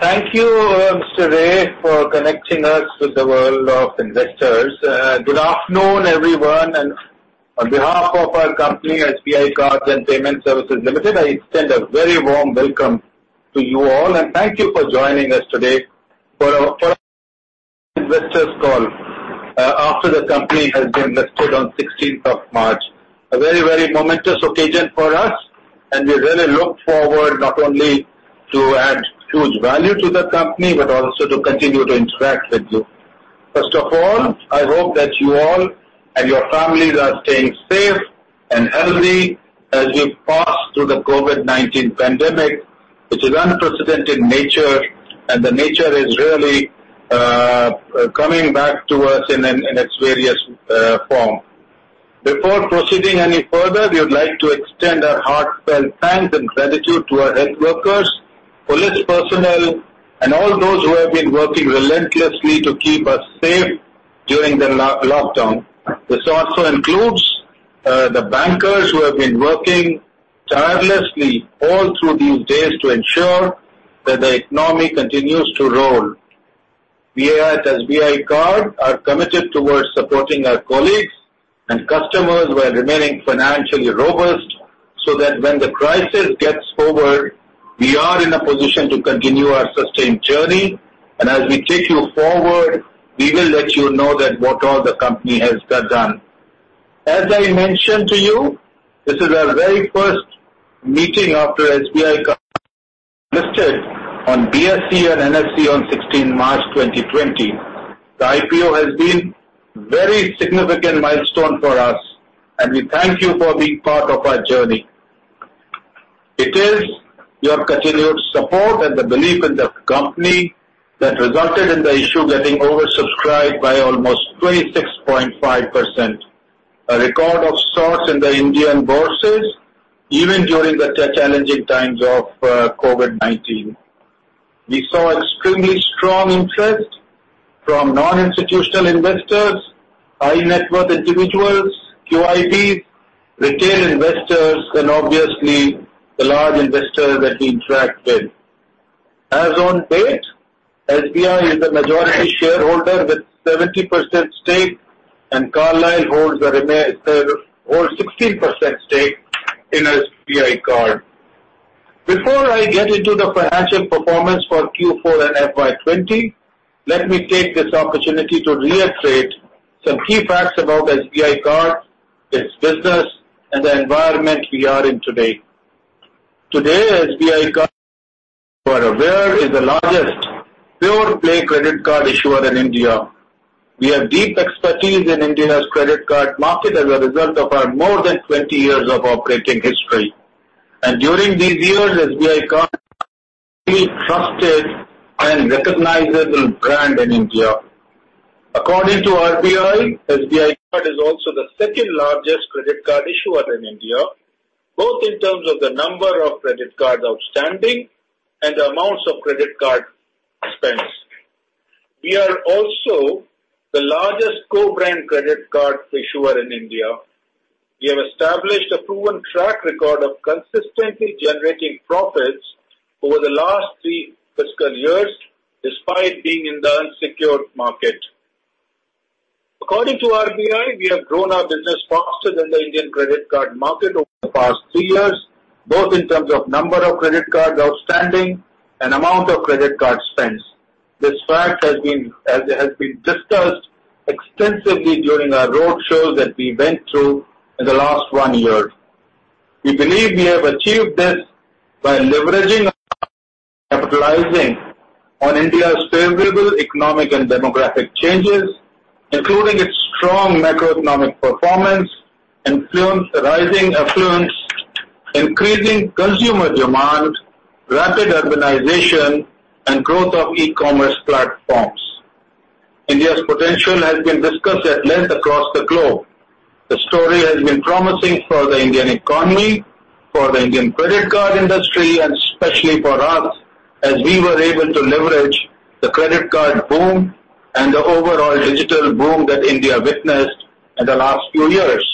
Thank you, Mr. Ray, for connecting us to the world of investors. Good afternoon, everyone, and on behalf of our company, SBI Cards and Payment Services Limited, I extend a very warm welcome to you all, and thank you for joining us today for our investors' call after the company has been listed on March 16th. A very, very momentous occasion for us, and we really look forward not only to add huge value to the company, but also to continue to interact with you. First of all, I hope that you all and your families are staying safe and healthy as we pass through the COVID-19 pandemic, which is unprecedented in nature, and the nature is really coming back to us in its various form. Before proceeding any further, we would like to extend our heartfelt thanks and gratitude to our health workers, police personnel, and all those who have been working relentlessly to keep us safe during the lockdown. This also includes the bankers who have been working tirelessly all through these days to ensure that the economy continues to roll. We at SBI Card are committed towards supporting our colleagues and customers while remaining financially robust so that when the crisis gets over, we are in a position to continue our sustained journey. As we take you forward, we will let you know that what all the company has done. As I mentioned to you, this is our very first meeting after SBI Card listed on BSE and NSE on March 16, 2020. The IPO has been very significant milestone for us, and we thank you for being part of our journey. It is your continued support and the belief in the company that resulted in the issue getting oversubscribed by almost 26.5%. A record of sorts in the Indian bourses, even during the challenging times of COVID-19. We saw extremely strong interest from non-institutional investors, high-net-worth individuals, QIBs, retail investors, and obviously, the large investors that we interact with. As on date, SBI is the majority shareholder with 70% stake and Carlyle holds 16% stake in SBI Card. Before I get into the financial performance for Q4 and FY 2020, let me take this opportunity to reiterate some key facts about SBI Card, its business, and the environment we are in today. Today, SBI Card, you are aware, is the largest pure-play credit card issuer in India. We have deep expertise in India's credit card market as a result of our more than 20 years of operating history. During these years, SBI Card has been trusted and recognizable brand in India. According to RBI, SBI Card is also the second-largest credit card issuer in India, both in terms of the number of credit cards outstanding and the amounts of credit card spends. We are also the largest co-brand credit card issuer in India. We have established a proven track record of consistently generating profits over the last three fiscal years, despite being in the unsecured market. According to RBI, we have grown our business faster than the Indian credit card market over the past three years, both in terms of number of credit cards outstanding and amount of credit card spends. This fact has been discussed extensively during our road shows that we went through in the last one year. We believe we have achieved this by leveraging and capitalizing on India's favorable economic and demographic changes, including its strong macroeconomic performance, rising affluence, increasing consumer demand, rapid urbanization, and growth of e-commerce platforms. India's potential has been discussed at length across the globe. The story has been promising for the Indian economy, for the Indian credit card industry, and especially for us, as we were able to leverage the credit card boom and the overall digital boom that India witnessed in the last few years.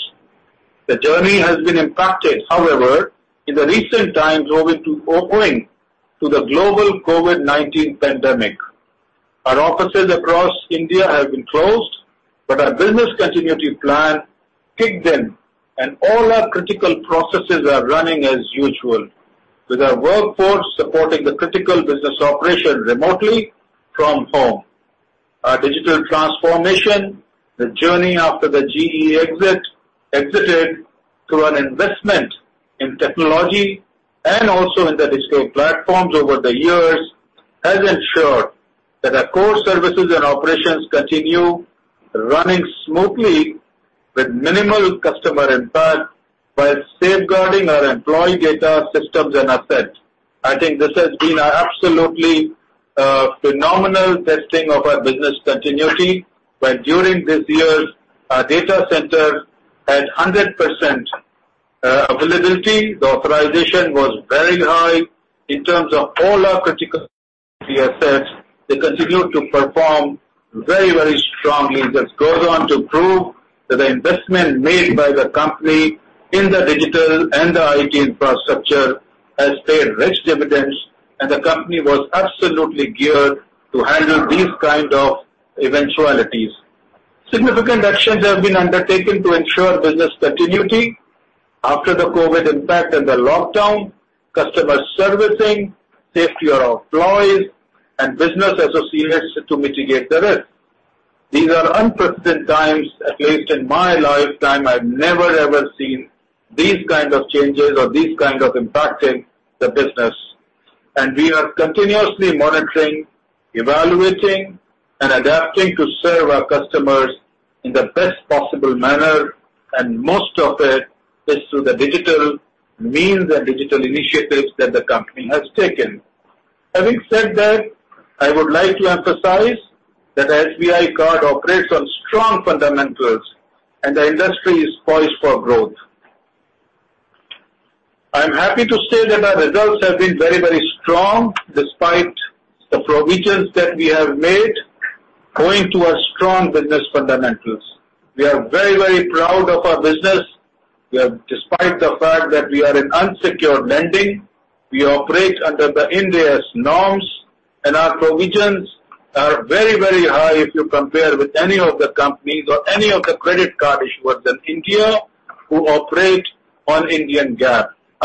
The journey has been impacted, however, in the recent times owing to the global COVID-19 pandemic. Our offices across India have been closed, but our business continuity plan kicked in, and all our critical processes are running as usual, with our workforce supporting the critical business operation remotely from home. Our digital transformation, the journey after the GE exited through an investment in technology and also in the digital platforms over the years, has ensured that our core services and operations continue running smoothly with minimal customer impact while safeguarding our employee data, systems, and assets. I think this has been an absolutely phenomenal testing of our business continuity, where during these years, our data center had 100% availability. The authorization was very high in terms of all our critical assets. They continue to perform very strongly. This goes on to prove that the investment made by the company in the digital and the IT infrastructure has paid rich dividends, and the company was absolutely geared to handle these kind of eventualities. Significant actions have been undertaken to ensure business continuity after the COVID impact and the lockdown, customer servicing, safety of employees, and business associates to mitigate the risk. These are unprecedented times. At least in my lifetime, I've never ever seen these kind of changes or these kind of impacting the business. We are continuously monitoring, evaluating, and adapting to serve our customers in the best possible manner, and most of it is through the digital means and digital initiatives that the company has taken. Having said that, I would like to emphasize that SBI Card operates on strong fundamentals, and the industry is poised for growth. I am happy to say that our results have been very strong despite the provisions that we have made owing to our strong business fundamentals. We are very proud of our business. Despite the fact that we are in unsecured lending, we operate under the In AS's norms, and our provisions are very high if you compare with any of the companies or any of the credit card issuers in India who operate on Indian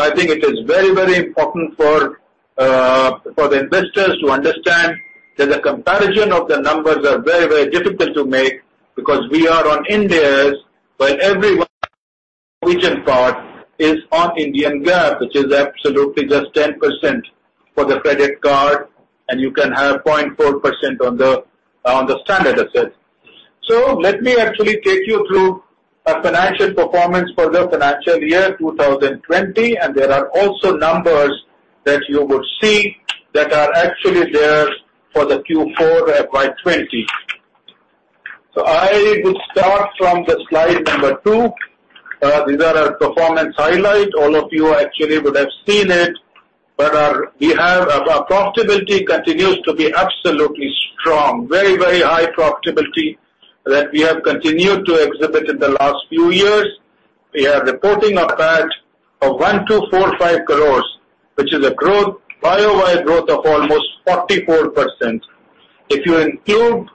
GAAP. I think it is very, very important for the investors to understand that the comparison of the numbers are very difficult to make because we are on Ind AS while every [inaudible] card is on Indian GAAP, which is absolutely just 10% for the credit card, and you can have 0.4% on the standard assets. Let me actually take you through our financial performance for the financial year 2020, and there are also numbers that you would see that are actually there for the Q4 FY 2020. I would start from the slide number two. These are our performance highlights. All of you actually would have seen it. Our profitability continues to be absolutely strong. Very high profitability that we have continued to exhibit in the last few years. We are reporting a PAT of 1,245 crore, which is a YoY growth of almost 44%. If you exclude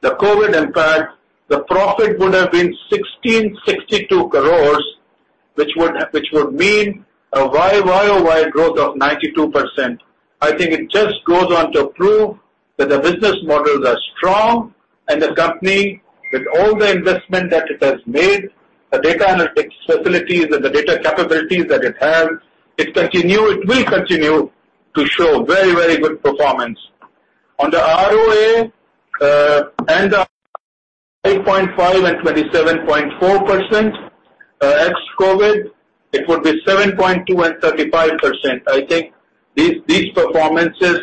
the COVID impact, the profit would have been 1,662 crore, which would mean a YoY growth of 92%. I think it just goes on to prove that the business models are strong and the company, with all the investment that it has made, the data analytics facilities and the data capabilities that it has, it will continue to show very good performance. On the ROA and the 8.5% and 27.4%, ex-COVID, it would be 7.2% and 35%. I think these performances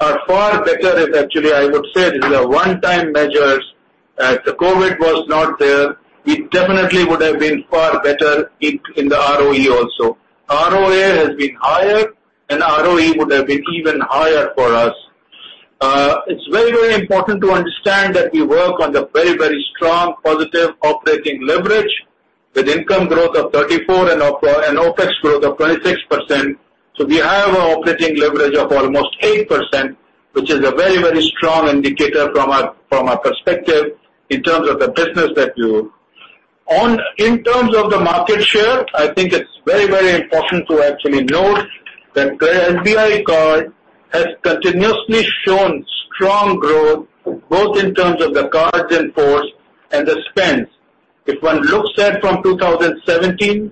are far better if actually, I would say, these are one-time measures. Had the COVID was not there, it definitely would have been far better in the ROE also. ROA has been higher and ROE would have been even higher for us. It's very important to understand that we work on the very strong positive operating leverage with income growth of 34% and OpEx growth of 26%. We have an operating leverage of almost 8%, which is a very, very strong indicator from our perspective in terms of the business. In terms of the market share, I think it's very, very important to actually note that SBI Card has continuously shown strong growth both in terms of the cards in force and the spends. If one looks at from 2017,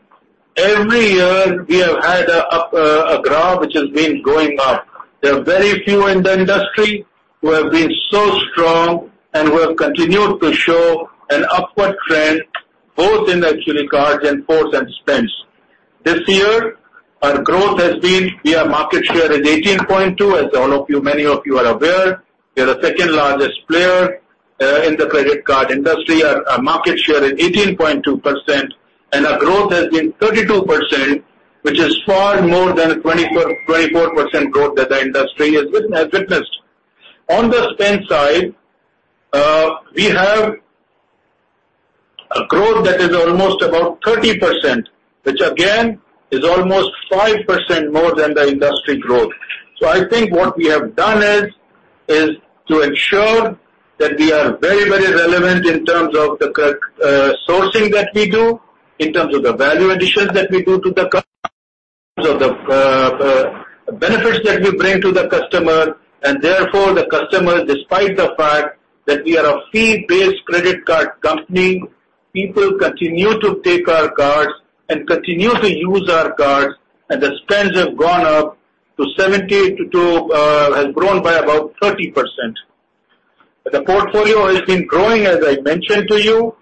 every year we have had a graph which has been going up. There are very few in the industry who have been so strong and who have continued to show an upward trend, both in actually cards in force and spends. This year, our growth has been. We are market share at 18.2%, as many of you are aware. We are the second largest player in the credit card industry. Our market share is 18.2%. Our growth has been 32%, which is far more than the 24% growth that the industry has witnessed. On the spend side, we have a growth that is almost about 30%, which again is almost 5% more than the industry growth. I think what we have done is to ensure that we are very relevant in terms of the sourcing that we do, in terms of the value additions that we do to the customer, in terms of the benefits that we bring to the customer. Therefore, the customer, despite the fact that we are a fee-based credit card company, people continue to take our cards and continue to use our cards, and the spends have grown by about 30%. The portfolio has been growing, as I mentioned to you,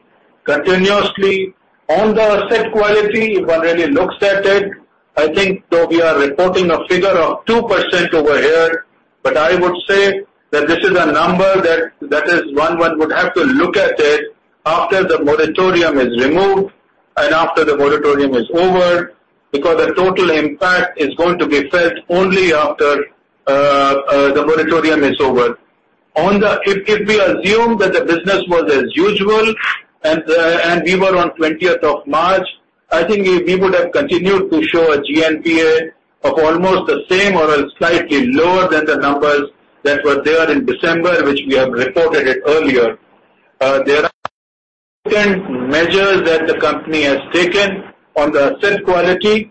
continuously. On the asset quality, if one really looks at it, I think though we are reporting a figure of 2% over here. I would say that this is a number that one would have to look at it after the moratorium is removed and after the moratorium is over because the total impact is going to be felt only after the moratorium is over. If we assume that the business was as usual and we were on March 20th, I think we would have continued to show a GNPA of almost the same or slightly lower than the numbers that were there in December, which we have reported it earlier. There are certain measures that the company has taken on the asset quality.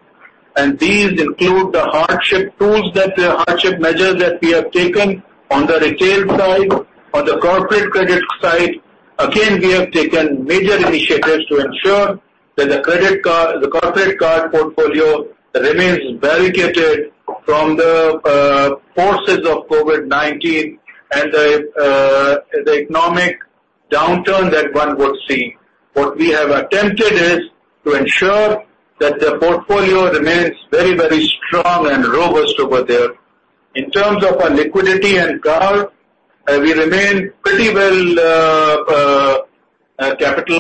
These include the hardship tools, the hardship measures that we have taken on the retail side. On the corporate credit side, again, we have taken major initiatives to ensure that the corporate card portfolio remains barricaded from the forces of COVID-19 and the economic downturn that one would see. What we have attempted is to ensure that the portfolio remains very strong and robust over there. In terms of our liquidity and CAR, we remain pretty well capitalized.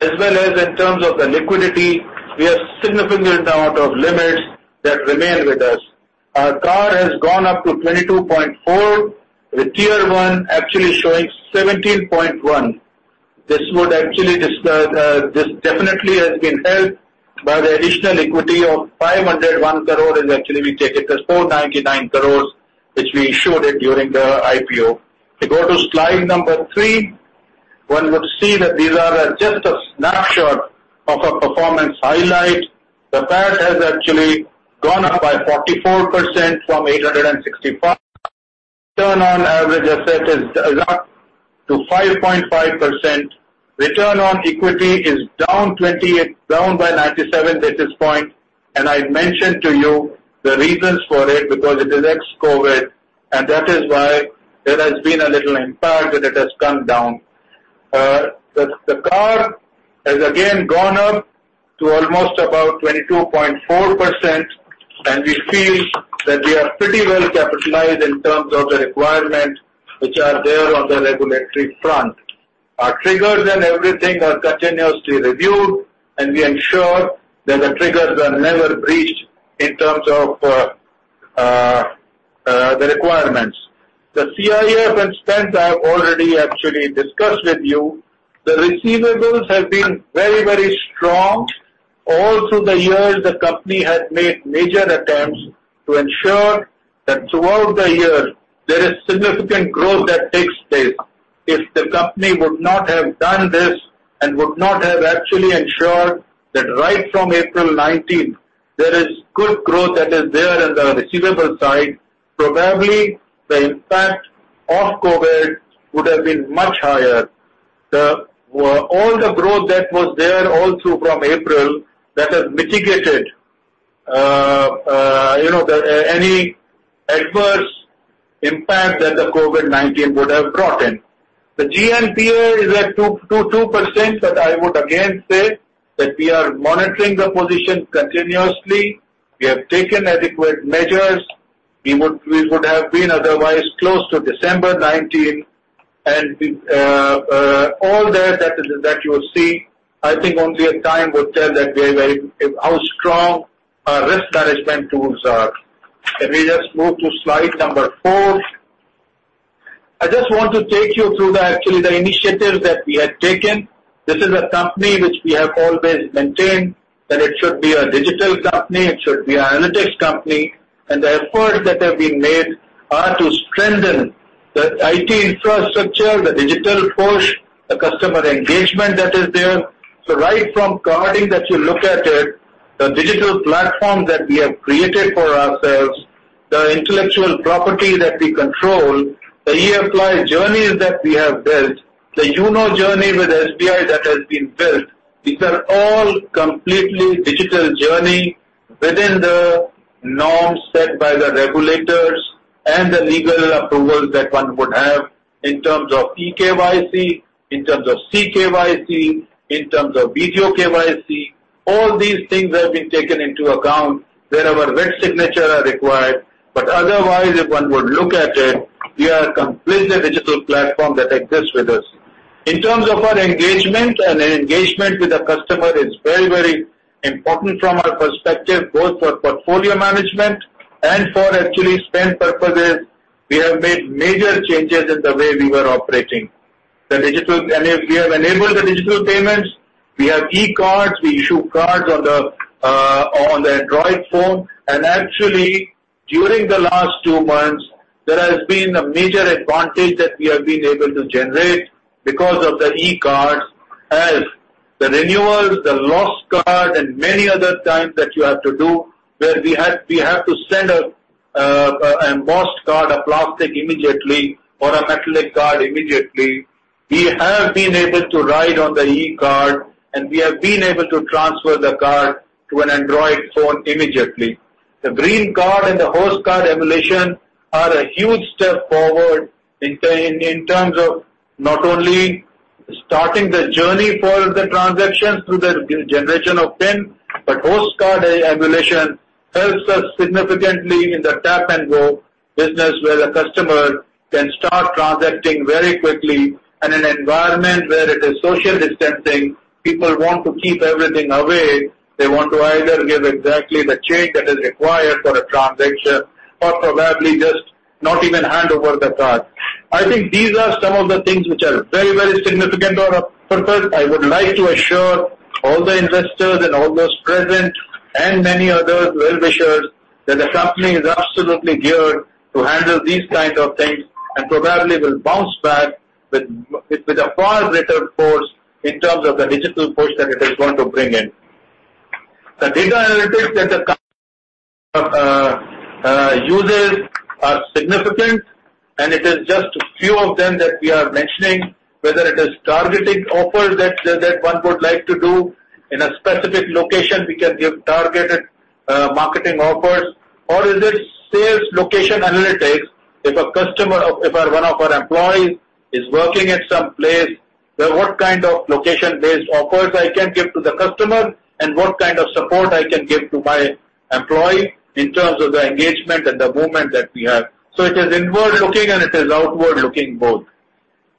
As well as in terms of the liquidity, we have significant amount of limits that remain with us. Our CAR has gone up to 22.4%, with Tier 1 actually showing 17.1%. This definitely has been helped by the additional equity of 501 crore is actually we take it as 499 crore, which we showed it during the IPO. If we go to slide number three, one would see that these are just a snapshot of our performance highlights. The PAT has actually gone up by 44% from 865. Return on average asset is up to 5.5%. Return on equity is down by 97 basis points. I mentioned to you the reasons for it because it is ex-COVID, and that is why there has been a little impact and it has come down. The CAR has again gone up to almost about 22.4%, and we feel that we are pretty well capitalized in terms of the requirements which are there on the regulatory front. Our triggers and everything are continuously reviewed, and we ensure that the triggers are never breached in terms of the requirements. The CIF and spends I have already actually discussed with you. The receivables have been very strong. All through the years, the company has made major attempts to ensure that throughout the year, there is significant growth that takes place. If the company would not have done this and would not have actually ensured that right from April 2019, there is good growth that is there in the receivable side, probably the impact of COVID-19 would have been much higher. All the growth that was there all through from April 2019, that has mitigated any adverse impact that the COVID-19 would have brought in. The GNPA is at 2%. I would again say that we are monitoring the position continuously. We have taken adequate measures. We would have been otherwise close to December 2019. All that you will see, I think only a time would tell how strong our risk management tools are. If we just move to slide number four. I just want to take you through actually the initiatives that we have taken. This is a company which we have always maintained that it should be a digital company, it should be an analytics company, the efforts that have been made are to strengthen the IT infrastructure, the digital push, the customer engagement that is there. Right from carding that you look at it, the digital platform that we have created for ourselves, the intellectual property that we control, the YONO apply journeys that we have built, the YONO journey with SBI that has been built, these are all completely digital journey within the norms set by the regulators and the legal approvals that one would have in terms of eKYC, in terms of CKYC, in terms of video KYC. All these things have been taken into account wherever wet signature are required. Otherwise, if one would look at it, we are a completely digital platform that exists with us. In terms of our engagement with the customer is very important from our perspective, both for portfolio management and for actually spend purposes. We have made major changes in the way we were operating. We have enabled the digital payments. We have e-Cards. We issue cards on the Android phone. Actually, during the last two months, there has been a major advantage that we have been able to generate because of the e-Cards as the renewals, the lost card, and many other times that you have to do where we have to send an embossed card, a plastic immediately, or a metallic card immediately. We have been able to ride on the e-Card, we have been able to transfer the card to an Android phone immediately. The green card and the host card emulation are a huge step forward in terms of not only starting the journey for the transactions through the generation of PIN. Host card emulation helps us significantly in the tap-and-go business where the customer can start transacting very quickly. In an environment where it is social distancing, people want to keep everything away. They want to either give exactly the change that is required for a transaction, or probably just not even hand over the card. I think these are some of the things which are very, very significant or of purpose. I would like to assure all the investors and all those present, and many others well-wishers, that the company is absolutely geared to handle these kind of things and probably will bounce back with a far greater force in terms of the digital push that it is going to bring in. The data analytics that the company uses are significant. It is just a few of them that we are mentioning, whether it is targeting offers that one would like to do in a specific location. We can give targeted marketing offers or is it sales location analytics. If one of our employees is working at some place, what kind of location-based offers I can give to the customer and what kind of support I can give to my employee in terms of the engagement and the movement that we have. It is inward-looking and it is outward-looking both.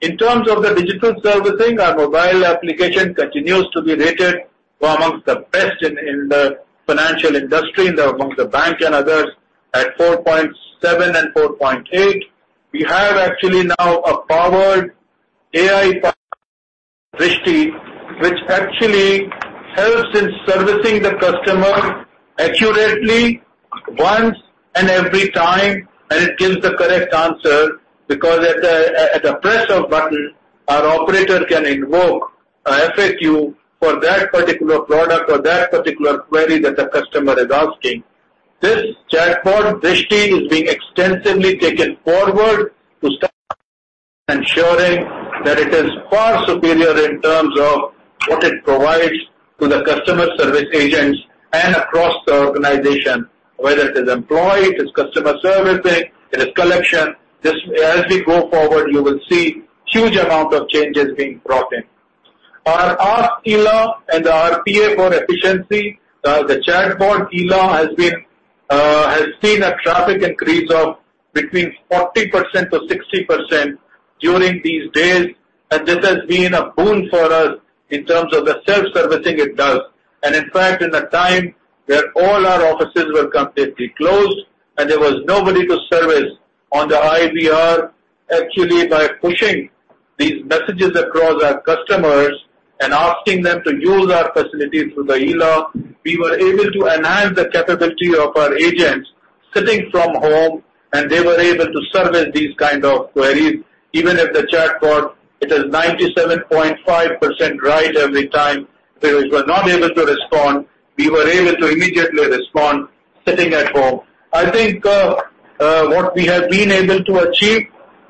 In terms of the digital servicing, our mobile application continues to be rated amongst the best in the financial industry amongst the banks and others at 4.7 and 4.8. We have actually now a powered AI Drishti, which actually helps in servicing the customer accurately once and every time, and it gives the correct answer because at the press of button, our operator can invoke a FAQ for that particular product or that particular query that the customer is asking. This chatbot, Drishti, is being extensively taken forward to ensuring that it is far superior in terms of what it provides to the customer service agents and across the organization, whether it is employee, it is customer servicing, it is collection. We go forward, you will see huge amount of changes being brought in. On our Ask ILA and the RPA for efficiency, the chatbot ILA has seen a traffic increase of between 40%-60% during these days. This has been a boon for us in terms of the self-servicing it does. In fact, in the time where all our offices were completely closed and there was nobody to service on the IVR, actually by pushing these messages across our customers and asking them to use our facility through the ILA, we were able to enhance the capability of our agents sitting from home, and they were able to service these kind of queries. Even if the chatbot, it is 97.5% right every time. Where it was not able to respond, we were able to immediately respond sitting at home. I think what we have been able to achieve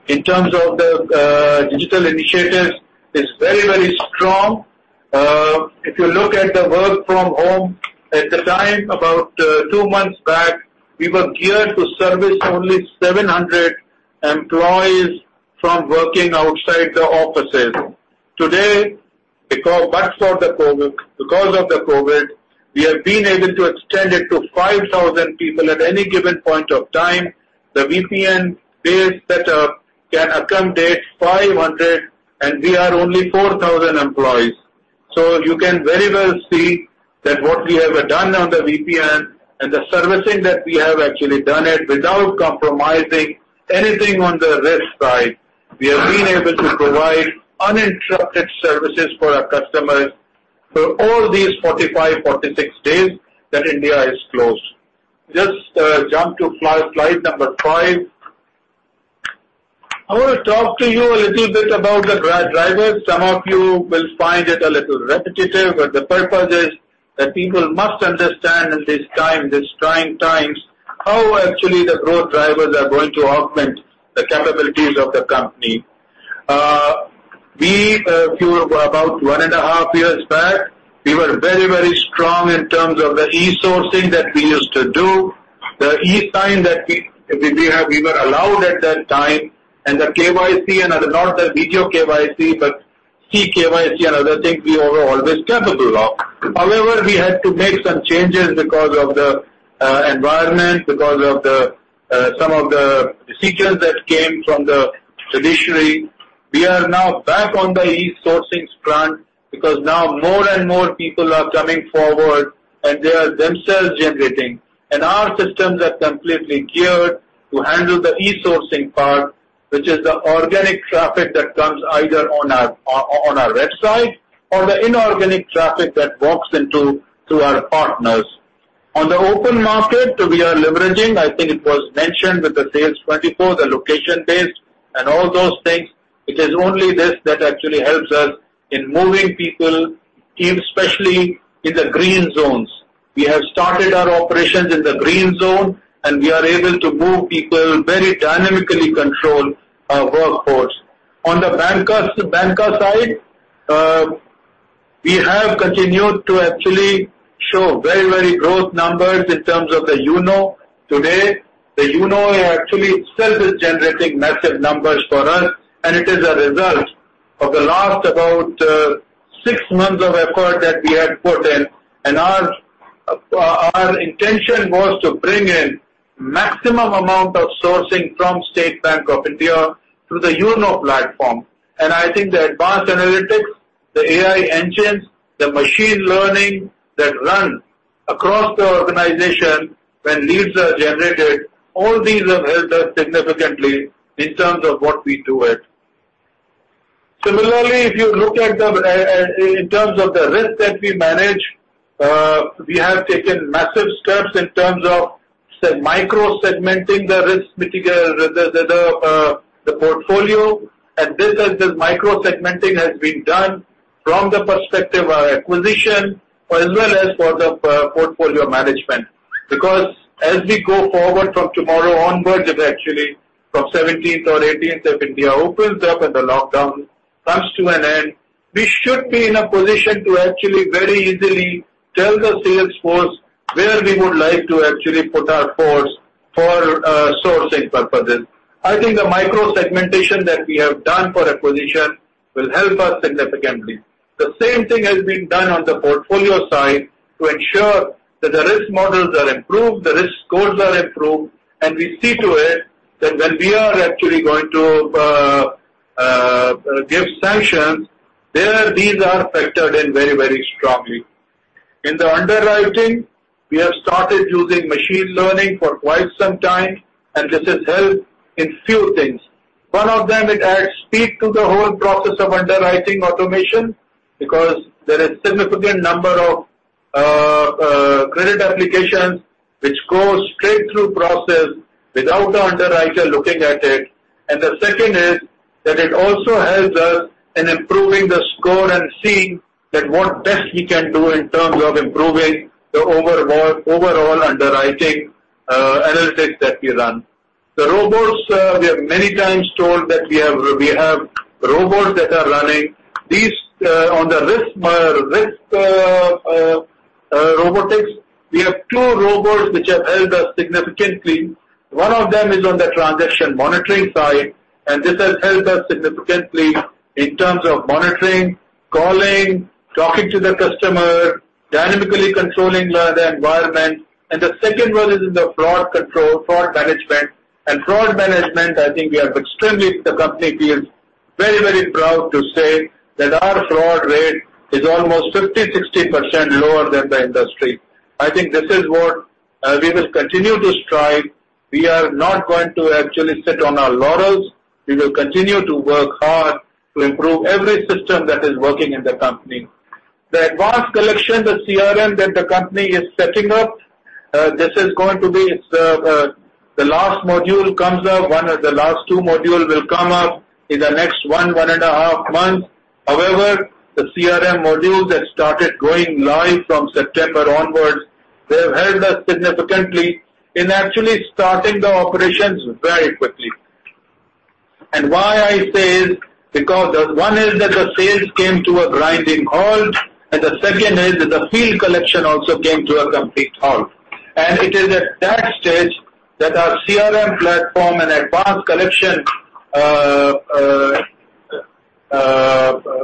in terms of the digital initiatives is very strong. If you look at the work from home, at the time about two months back, we were geared to service only 700 employees from working outside the offices. Today, because of the COVID, we have been able to extend it to 5,000 people at any given point of time. The VPN-based setup can accommodate 500, and we are only 4,000 employees. You can very well see that what we have done on the VPN and the servicing that we have actually done it without compromising anything on the risk side. We have been able to provide uninterrupted services for our customers for all these 45, 46 days that India is closed. Just jump to slide number five. I want to talk to you a little bit about the growth drivers. Some of you will find it a little repetitive. The purpose is that people must understand in these trying times how actually the growth drivers are going to augment the capabilities of the company. About one and a half years back, we were very strong in terms of the e-sourcing that we used to do, the e-sign that we were allowed at that time, and the KYC and not the video KYC, but eKYC and other things we were always capable of. We had to make some changes because of the environment, because of some of the decisions that came from the judiciary. We are now back on the e-sourcing front because now more and more people are coming forward and they are themselves generating. Our systems are completely geared to handle the e-sourcing part, which is the organic traffic that comes either on our website or the inorganic traffic that walks in through our partners. On the open market, we are leveraging, I think it was mentioned with the Sales24, the location-based and all those things. It is only this that actually helps us in moving people, especially in the green zones. We have started our operations in the green zone, and we are able to move people very dynamically control our workforce. On the banca side. We have continued to actually show very growth numbers in terms of the YONO today. The YONO actually itself is generating massive numbers for us, and it is a result of the last about six months of effort that we have put in. Our intention was to bring in maximum amount of sourcing from State Bank of India through the YONO platform. I think the advanced analytics, the AI engines, the machine learning that run across the organization when leads are generated, all these have helped us significantly in terms of what we do it. Similarly, if you look in terms of the risk that we manage, we have taken massive steps in terms of micro-segmenting the risk, the portfolio. This micro-segmenting has been done from the perspective of acquisition as well as for the portfolio management. As we go forward from tomorrow onwards, actually, from 17th or 18th if India opens up and the lockdown comes to an end, we should be in a position to actually very easily tell the sales force where we would like to actually put our force for sourcing purposes. I think the micro-segmentation that we have done for acquisition will help us significantly. The same thing has been done on the portfolio side to ensure that the risk models are improved, the risk scores are improved, and we see to it that when we are actually going to give sanctions, these are factored in very, very strongly. In the underwriting, we have started using machine learning for quite some time, and this has helped in few things. One of them, it adds speed to the whole process of underwriting automation because there is significant number of credit applications which goes straight through process without the underwriter looking at it. The second is that it also helps us in improving the score and seeing that what best we can do in terms of improving the overall underwriting analytics that we run. The robots, we have many times told that we have robots that are running. These on the risk robotics. We have two robots which have helped us significantly. One of them is on the transaction monitoring side, and this has helped us significantly in terms of monitoring, calling, talking to the customer, dynamically controlling the environment. The second one is in the fraud control, fraud management. Fraud management, I think the company feels very, very proud to say that our fraud rate is almost 50%-60% lower than the industry. I think this is what we will continue to strive. We are not going to actually sit on our laurels. We will continue to work hard to improve every system that is working in the company. The advanced collection, the CRM that the company is setting up, the last module comes up.. One of the last two module will come up in the next one and a half months. However, the CRM modules that started going live from September onwards, they have helped us significantly in actually starting the operations very quickly. Why I say is because one is that the sales came to a grinding halt, and the second is that the field collection also came to a complete halt. It is at that stage that our CRM platform and advanced collection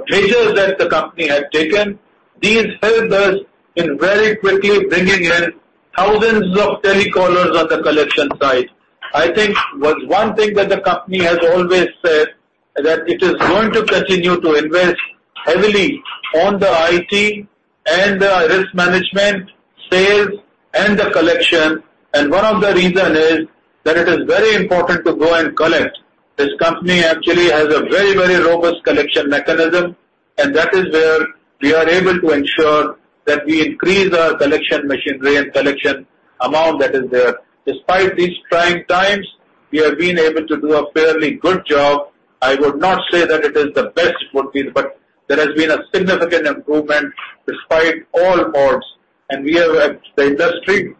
measures that the company had taken, these helped us in very quickly bringing in thousands of telecallers on the collection side. I think one thing that the company has always said is that it is going to continue to invest heavily on the IT and the risk management, sales, and the collection. One of the reason is that it is very important to go and collect. This company actually has a very, very robust collection mechanism, and that is where we are able to ensure that we increase our collection machinery and collection amount that is there. Despite these trying times, we have been able to do a fairly good job. I would not say that it is the best it would be, but there has been a significant improvement despite all odds. The industry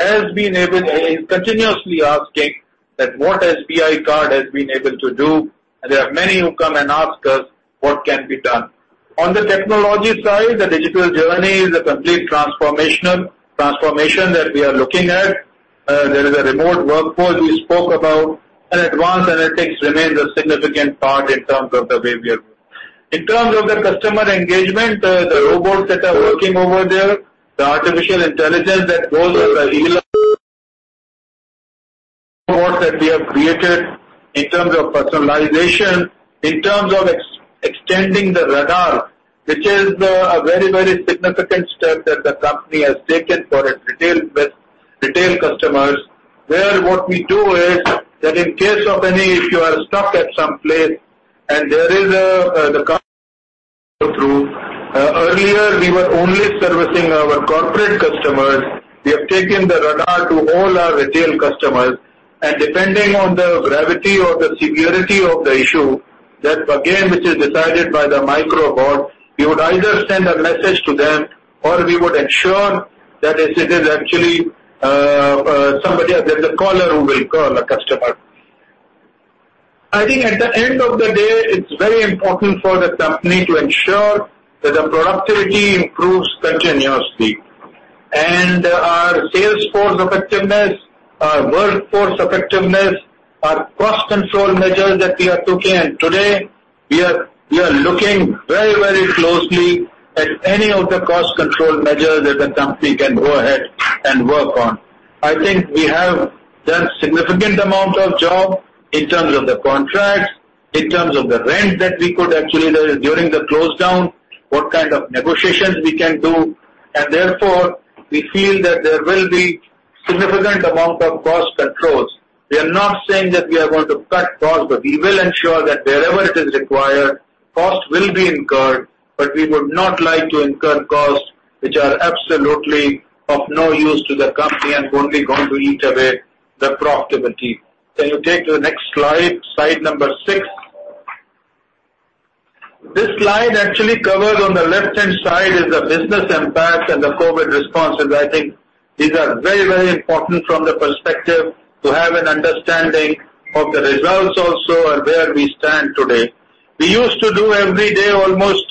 is continuously asking that what SBI Card has been able to do, and there are many who come and ask us what can be done. On the technology side, the digital journey is a complete transformation that we are looking at. There is a remote workforce we spoke about, and advanced analytics remains a significant part in terms of the way we are going. In terms of the customer engagement, the robots that are working over there, the artificial intelligence that goes with that we have created in terms of personalization, in terms of extending the Radar, which is a very significant step that the company has taken for its retail customers. What we do is that in case of any issue, you are stuck at some place and there is through. Earlier, we were only servicing our corporate customers. We have taken the Radar to all our retail customers. Depending on the gravity or the severity of the issue, that again, which is decided by the micro bot, we would either send a message to them or we would ensure that it is actually somebody, that the caller who will call a customer. I think at the end of the day, it's very important for the company to ensure that the productivity improves continuously. Our sales force effectiveness, our workforce effectiveness, our cost control measures that we are taking, and today we are looking very closely at any of the cost control measures that the company can go ahead and work on. I think we have done significant amount of job in terms of the contracts, in terms of the rent that we could actually, during the close down, what kind of negotiations we can do. Therefore, we feel that there will be significant amount of cost controls. We are not saying that we are going to cut costs, but we will ensure that wherever it is required, costs will be incurred, but we would not like to incur costs which are absolutely of no use to the company and only going to eat away the profitability. Can you take to the next slide number six? This slide actually covers on the left-hand side is the business impact and the COVID-19 response, which I think these are very important from the perspective to have an understanding of the results also and where we stand today. We used to do every day almost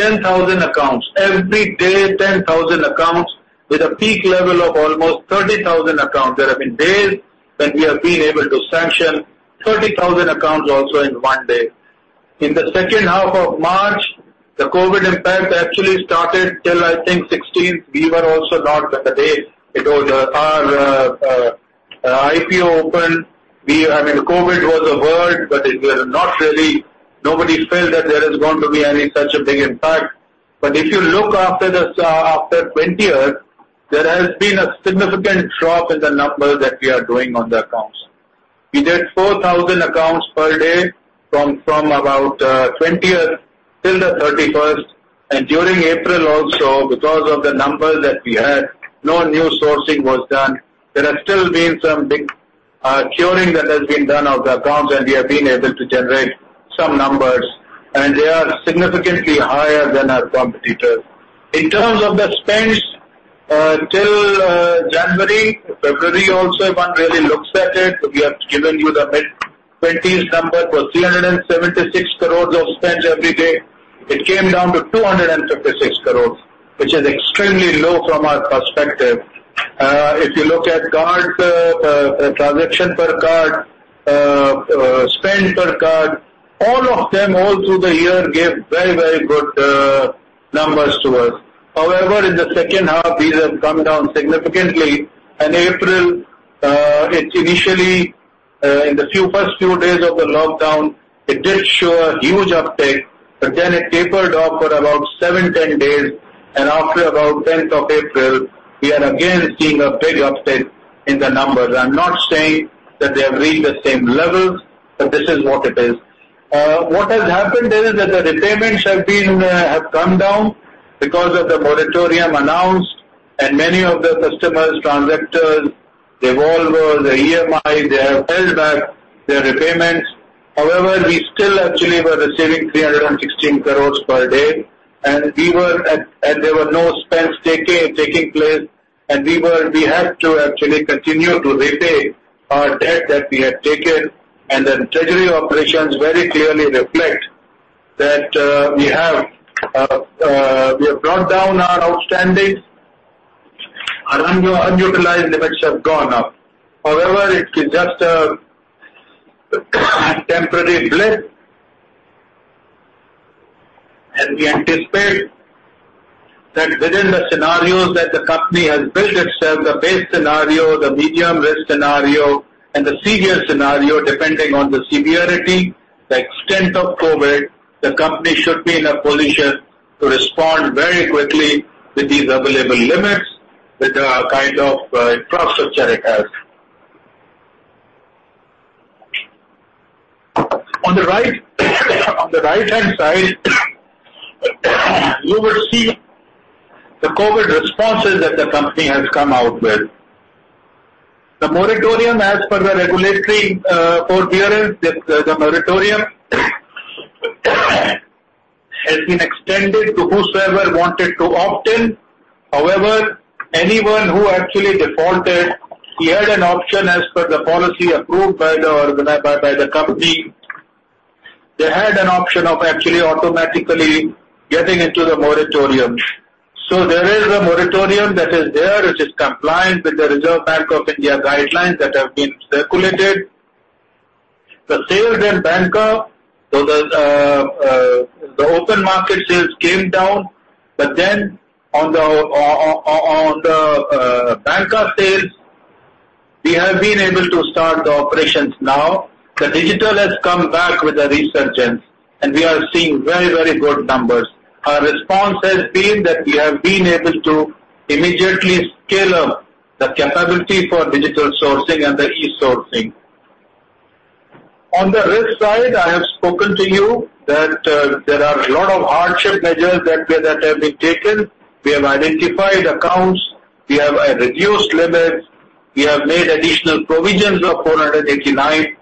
10,000 accounts. Every day 10,000 accounts with a peak level of almost 30,000 accounts. There have been days when we have been able to sanction 30,000 accounts also in one day. In the second half of March, the COVID impact actually started till, I think, 16th. We were also not that aware. Our IPO opened. COVID was a word, but nobody felt that there is going to be any such a big impact. If you look after 20th, there has been a significant drop in the number that we are doing on the accounts. We did 4,000 accounts per day from about 20th till the 31st, and during April also, because of the numbers that we had, no new sourcing was done. There has still been some big curing that has been done of the accounts, and we have been able to generate some numbers, and they are significantly higher than our competitors. In terms of the spends, till January, February also, if one really looks at it, we have given you the mid-20s number for 376 crore of spends every day. It came down to 256 crore, which is extremely low from our perspective. If you look at transaction per card, spend per card, all of them all through the year gave very good numbers to us. In the second half, these have come down significantly. In April, it initially in the first few days of the lockdown, it did show a huge uptake, but then it tapered off for about 7-10 days. After about April 10th, we are again seeing a big uptake in the numbers. I'm not saying that they have reached the same levels. This is what it is. What has happened is that the repayments have come down because of the moratorium announced, and many of the customers' transactions, they have all the EMIs, they have held back their repayments. However, we still actually were receiving INR 316 crores per day, and there were no spends taking place, and we had to actually continue to repay our debt that we had taken, and the treasury operations very clearly reflect that we have brought down our outstandings. Our unutilized limits have gone up. However, it is just a temporary bliss. As we anticipate that within the scenarios that the company has built itself, the base scenario, the medium-risk scenario, and the severe scenario, depending on the severity, the extent of COVID, the company should be in a position to respond very quickly with these available limits, with the kind of infrastructure it has. On the right hand side, you will see the COVID responses that the company has come out with. The moratorium, as per the regulatory forbearance, the moratorium has been extended to whosoever wanted to opt in. Anyone who actually defaulted, he had an option as per the policy approved by the company. They had an option of actually automatically getting into the moratorium. There is a moratorium that is there, which is compliant with the Reserve Bank of India guidelines that have been circulated. The sales in banca. The open market sales came down, on the banca sales, we have been able to start the operations now. The digital has come back with a resurgence, and we are seeing very good numbers. Our response has been that we have been able to immediately scale up the capability for digital sourcing and the e-sourcing. On the risk side, I have spoken to you that there are a lot of hardship measures that have been taken. We have identified accounts, we have reduced limits, we have made additional provisions of 489.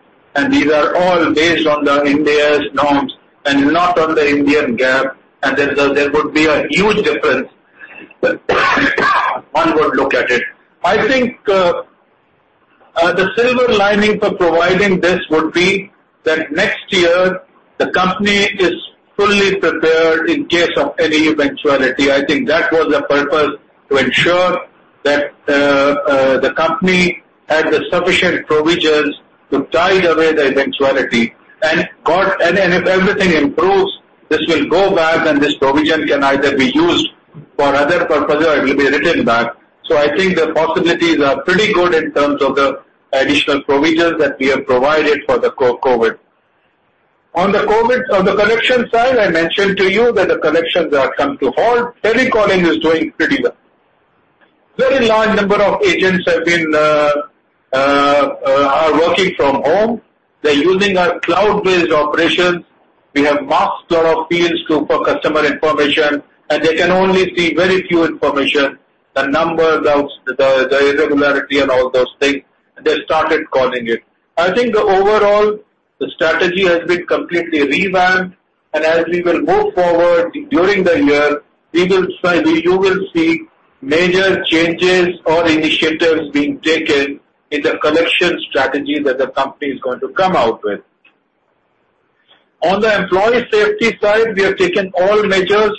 These are all based on the Ind AS norms and not on the Indian GAAP. There would be a huge difference. One would look at it. I think the silver lining for providing this would be that next year the company is fully prepared in case of any eventuality. I think that was the purpose, to ensure that the company had the sufficient provisions to tide over the eventuality. If everything improves, this will go back, and this provision can either be used for other purposes or it will be written back. I think the possibilities are pretty good in terms of the additional provisions that we have provided for the COVID. On the COVID, on the collection side, I mentioned to you that the collections have come to a halt. Telecalling is doing pretty well. Very large number of agents are working from home. They're using our cloud-based operations. We have masked a lot of fields for customer information, and they can only see very few information, the numbers, the irregularity and all those things, and they started calling it. I think overall, the strategy has been completely revamped, and as we will move forward during the year, you will see major changes or initiatives being taken in the collection strategy that the company is going to come out with. On the employee safety side, we have taken all measures.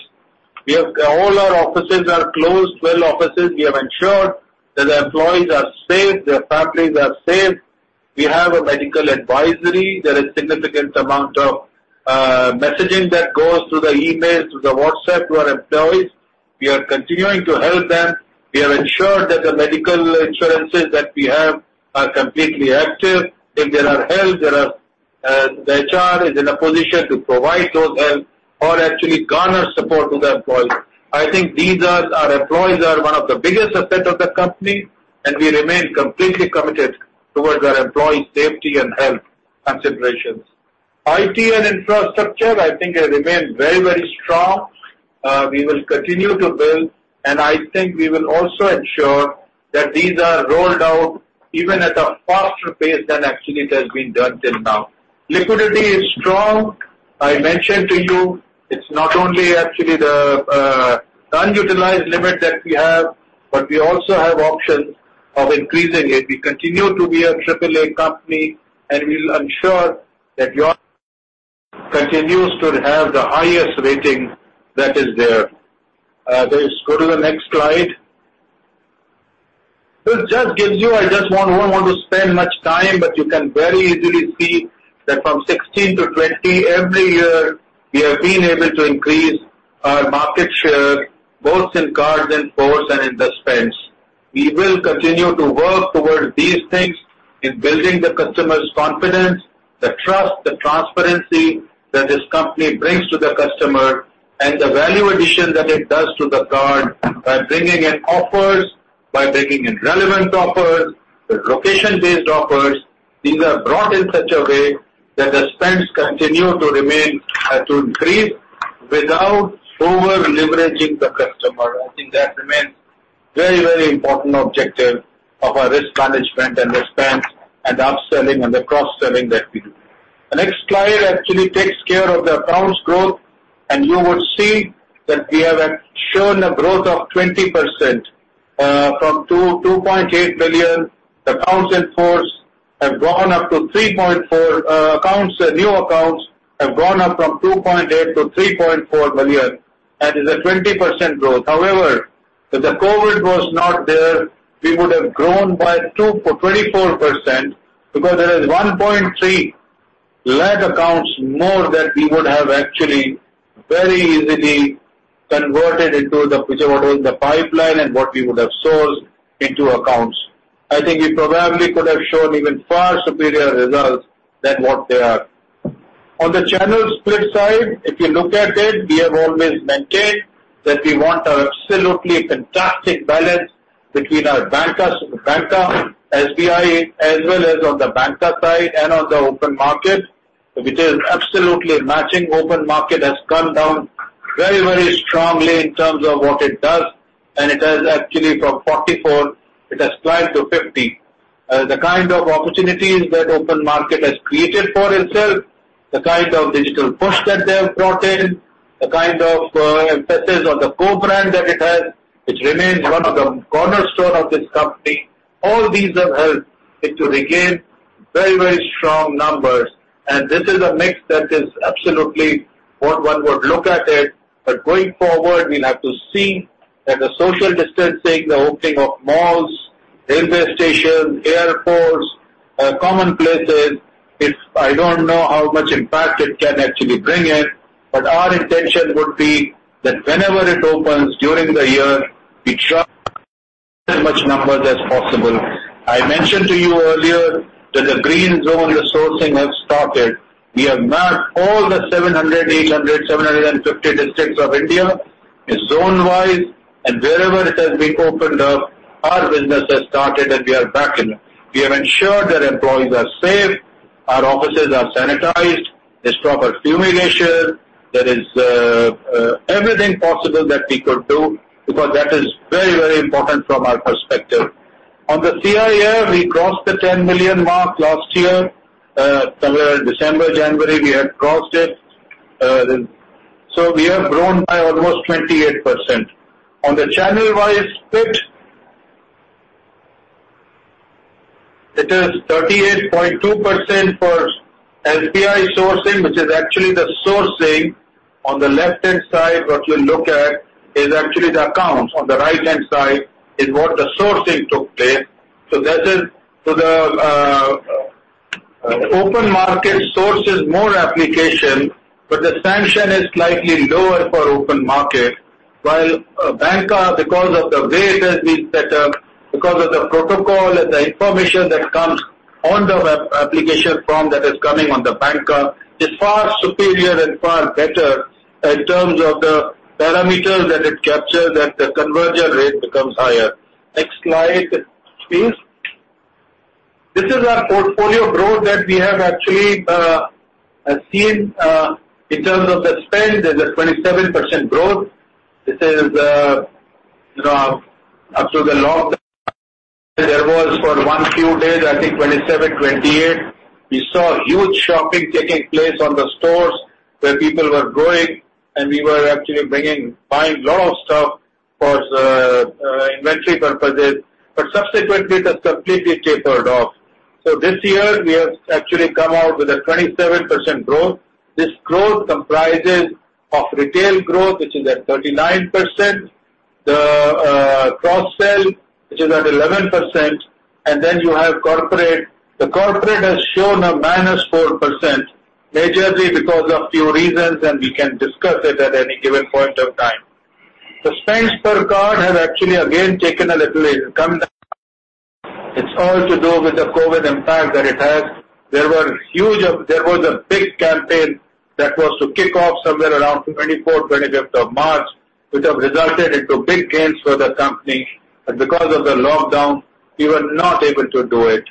All our offices are closed, 12 offices. We have ensured that the employees are safe, their families are safe. We have a medical advisory. There is significant amount of messaging that goes through the emails, through the WhatsApp to our employees. We are continuing to help them. We have ensured that the medical insurances that we have are completely active. If there are health, the HR is in a position to provide those health or actually garner support to the employees. I think our employees are one of the biggest asset of the company, and we remain completely committed towards our employees safety and health considerations. IT and infrastructure, I think it remains very strong. We will continue to build, and I think we will also ensure that these are rolled out even at a faster pace than actually it has been done till now. Liquidity is strong. I mentioned to you it's not only actually the unutilized limit that we have, but we also have options of increasing it. We continue to be an AAA company, and we'll ensure that YONO continues to have the highest rating that is there. Please go to the next slide. This just gives you, I don't want to spend much time, but you can very easily see that from 2016- 2020, every year, we have been able to increase our market share both in cards, in force, and in the spends. We will continue to work towards these things in building the customer's confidence, the trust, the transparency that this company brings to the customer, and the value addition that it does to the card by bringing in offers, by bringing in relevant offers, the location-based offers. These are brought in such a way that the spends continue to increase without over-leveraging the customer. I think that remains very important objective of our risk management and the spends and the upselling and the cross-selling that we do. The next slide actually takes care of the accounts growth, and you would see that we have shown a growth of 20%. From 2.8 million, the accounts in force have gone up to 3.4 million. New accounts have gone up from 2.8 million-3.4 million. That is a 20% growth. However, if the COVID-19 was not there, we would have grown by 24%, because there is 1.3 lakh accounts more that we would have actually very easily converted, which was in the pipeline and what we would have sold into accounts. I think we probably could have shown even far superior results than what they are. On the channel split side, if you look at it, we have always maintained that we want an absolutely fantastic balance between our banca, SBI, as well as on the banca side and on the open market, which is absolutely matching. It has actually from 44, it has climbed to 50. The kind of opportunities that open market has created for itself, the kind of digital push that they have brought in, the kind of emphasis on the co-brand that it has, which remains one of the cornerstone of this company. All these have helped it to regain very strong numbers. This is a mix that is absolutely what one would look at it. Going forward, we'll have to see that the social distancing, the opening of malls, railway stations, airports, common places. I don't know how much impact it can actually bring in, but our intention would be that whenever it opens during the year, we try as much numbers as possible. I mentioned to you earlier that the green zone resourcing has started. We have mapped all the 700, 800, 750 districts of India zone-wise, and wherever it has been opened up, our business has started and we are back in it. We have ensured that employees are safe, our offices are sanitized. There's proper fumigation. There is everything possible that we could do because that is very important from our perspective. On the CIF, we crossed the 10 million mark last year. December, January, we had crossed it. We have grown by almost 28%. On the channel-wise split, it is 38.2% for SBI sourcing, which is actually the sourcing. On the left-hand side, what you look at is actually the accounts. On the right-hand side is what the sourcing took place. The open market sources more application, but the sanction is slightly lower for open market. Banca because of the way it has been set up, because of the protocol and the information that comes on the application form that is coming on the banca, is far superior and far better in terms of the parameters that it captures and the conversion rate becomes higher. Next slide, please. This is our portfolio growth that we have actually seen. In terms of the spend, there's a 27% growth. This is up to the lockdown.. There was for one few days, I think 27th, 28th, we saw huge shopping taking place on the stores where people were going, and we were actually buying lot of stuff for inventory purposes. Subsequently, that completely tapered off. This year, we have actually come out with a 27% growth. This growth comprises of retail growth, which is at 39%, the cross-sell, which is at 11%, and then you have corporate. The corporate has shown a -4%, majorly because of few reasons, and we can discuss it at any given point of time. The spends per card have actually again come down. It's all to do with the COVID impact that it has. There was a big campaign that was to kick off somewhere around March 24th, 25th, which have resulted into big gains for the company. Because of the lockdown, we were not able to do it.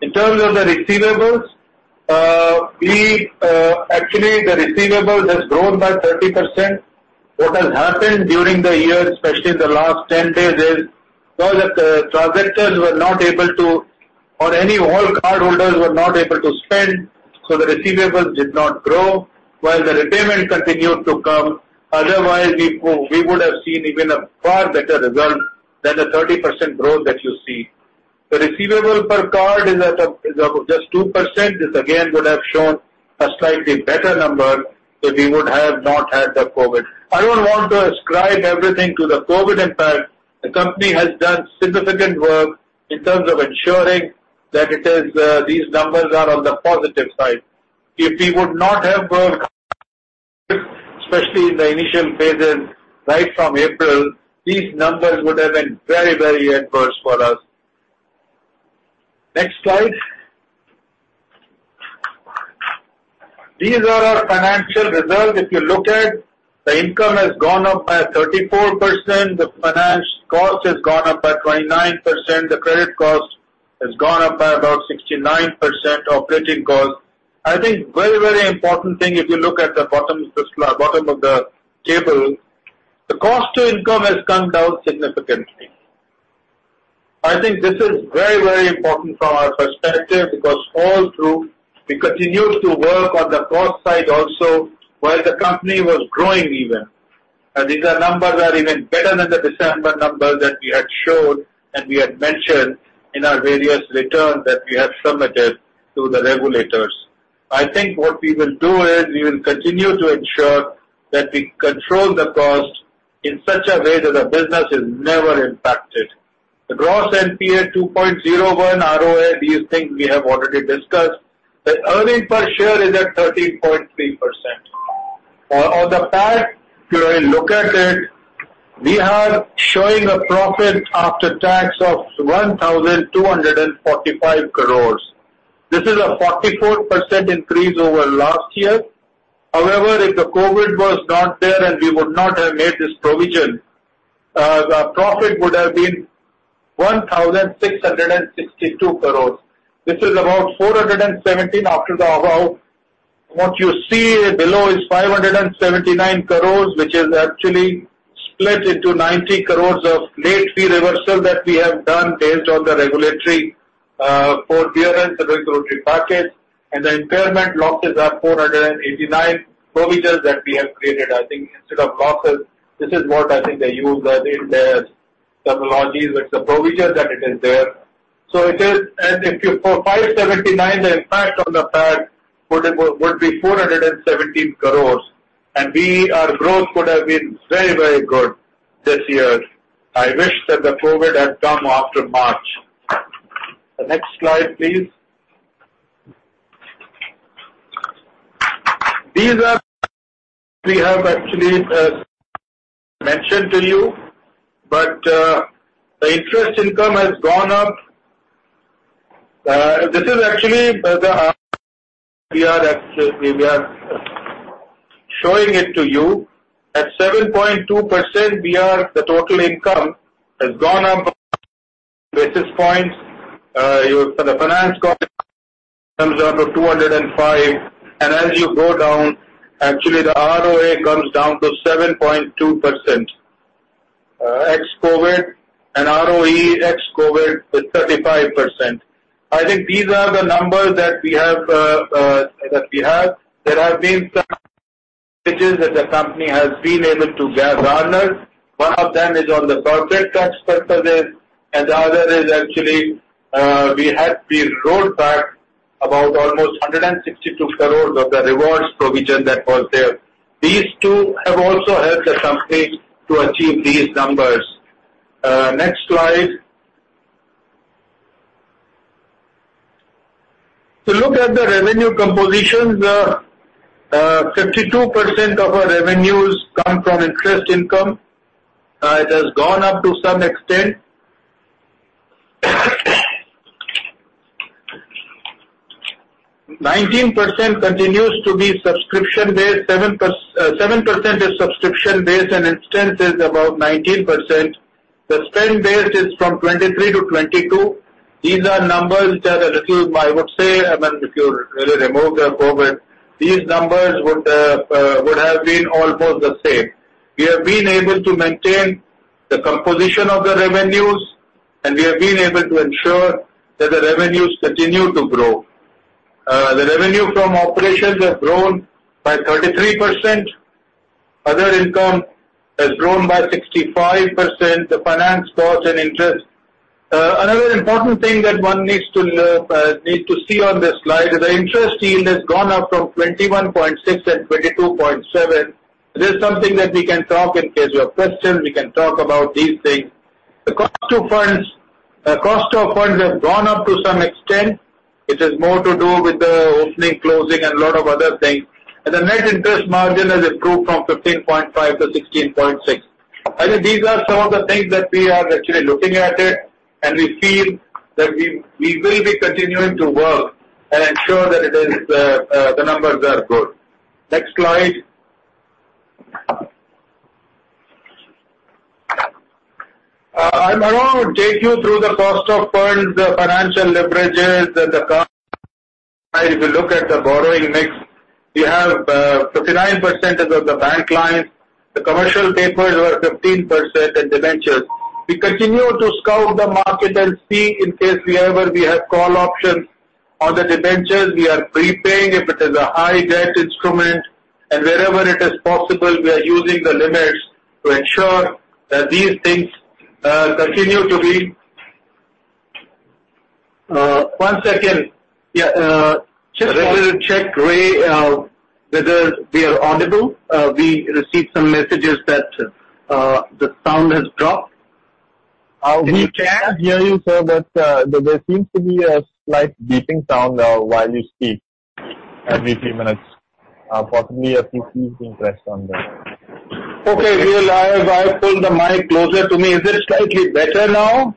In terms of the receivables, actually, the receivables has grown by 30%. What has happened during the year, especially in the last 10 days, is because the transactors were not able to, or any old cardholders were not able to spend, so the receivables did not grow, while the repayment continued to come. Otherwise, we would have seen even a far better result than the 30% growth that you see. The receivable per card is just 2%. This again, would have shown a slightly better number if we would have not had the COVID. I don't want to ascribe everything to the COVID impact. The company has done significant work in terms of ensuring that these numbers are on the positive side. If we would not have worked, especially in the initial phases right from April, these numbers would have been very adverse for us. Next slide. These are our financial results. If you look at, the income has gone up by 34%, the finance cost has gone up by 29%, the credit cost has gone up by about 69%, operating cost. I think very important thing, if you look at the bottom of the table, the cost to income has come down significantly. I think this is very important from our perspective because all through, we continued to work on the cost side also while the company was growing even. These numbers are even better than the December numbers that we had showed and we had mentioned in our various returns that we have submitted to the regulators. I think what we will do is we will continue to ensure that we control the cost in such a way that the business is never impacted. The gross NPA, 2.01% ROA, these things we have already discussed. The earning per share is at 13.3%. On the PAT, if you look at it, we are showing a profit after tax of 1,245 crore. This is a 44% increase over last year. However, if the COVID was not there and we would not have made this provision, the profit would have been 1,662 crore. This is about 417 crore after the above. What you see below is 579 crore, which is actually split into 90 crore of late fee reversal that we have done based on the regulatory forbearance, the regulatory package, and the impairment losses are 489. Provisions that we have created. I think instead of losses, this is what I think they use in their terminologies. It's a provision that it is there. For 579, the impact on the PAT would be 417 crores, and our growth could have been very good this year. I wish that the COVID had come after March. The next slide, please. These are we have actually mentioned to you. But the interest income has gone up. This is actually the PAT. We are showing it to you. At 7.2%, beyond total income has gone up basis points. For the finance cost comes down to 205. As you go down, actually, the ROA comes down to 7.2%. Ex-COVID and ROE ex-COVID is 35%. I think these are the numbers that we have. There have been some that the company has been able to garners. One of them is on the deferred tax purposes, and the other is actually, we had rolled back about almost 162 crore of the rewards provision that was there. These two have also helped the company to achieve these numbers. Next slide. To look at the revenue compositions, 52% of our revenues come from interest income. It has gone up to some extent. A 19% continues to be subscription-based, 7% is subscription-based, and interchange is about 19%. The spend-based is from 23%-22%. These are numbers which are a little, I would say, if you really remove the COVID-19, these numbers would have been almost the same. We have been able to maintain the composition of the revenues, and we have been able to ensure that the revenues continue to grow. The revenue from operations has grown by 33%. Other income has grown by 65%, the finance cost and interest. Another important thing that one needs to see on this slide is the interest yield has gone up from 21.6% and 22.7%. This is something that we can talk in case you have questions. We can talk about these things. The cost of funds has gone up to some extent, which has more to do with the opening, closing, and a lot of other things. The net interest margin has improved from 15.5%-16.6%. I think these are some of the things that we are actually looking at it, and we feel that we will be continuing to work and ensure that the numbers are good. Next slide. I now take you through the cost of funds, the financial leverages. If you look at the borrowing mix, we have 59% is of the bank lines. The commercial papers were 15% and debentures. We continue to scout the market and see in case ever we have call options on the debentures, we are prepaying if it is a high debt instrument. Wherever it is possible, we are using the limits to ensure that these things continue to be. One second. Just one- Let me check, Ray, whether we are audible. We received some messages that the sound has dropped. We can hear you, sir, but there seems to be a slight beeping sound while you speak every few minutes. Possibly a few keys being pressed. Okay. Ray, I have pulled the mic closer to me. Is it slightly better now?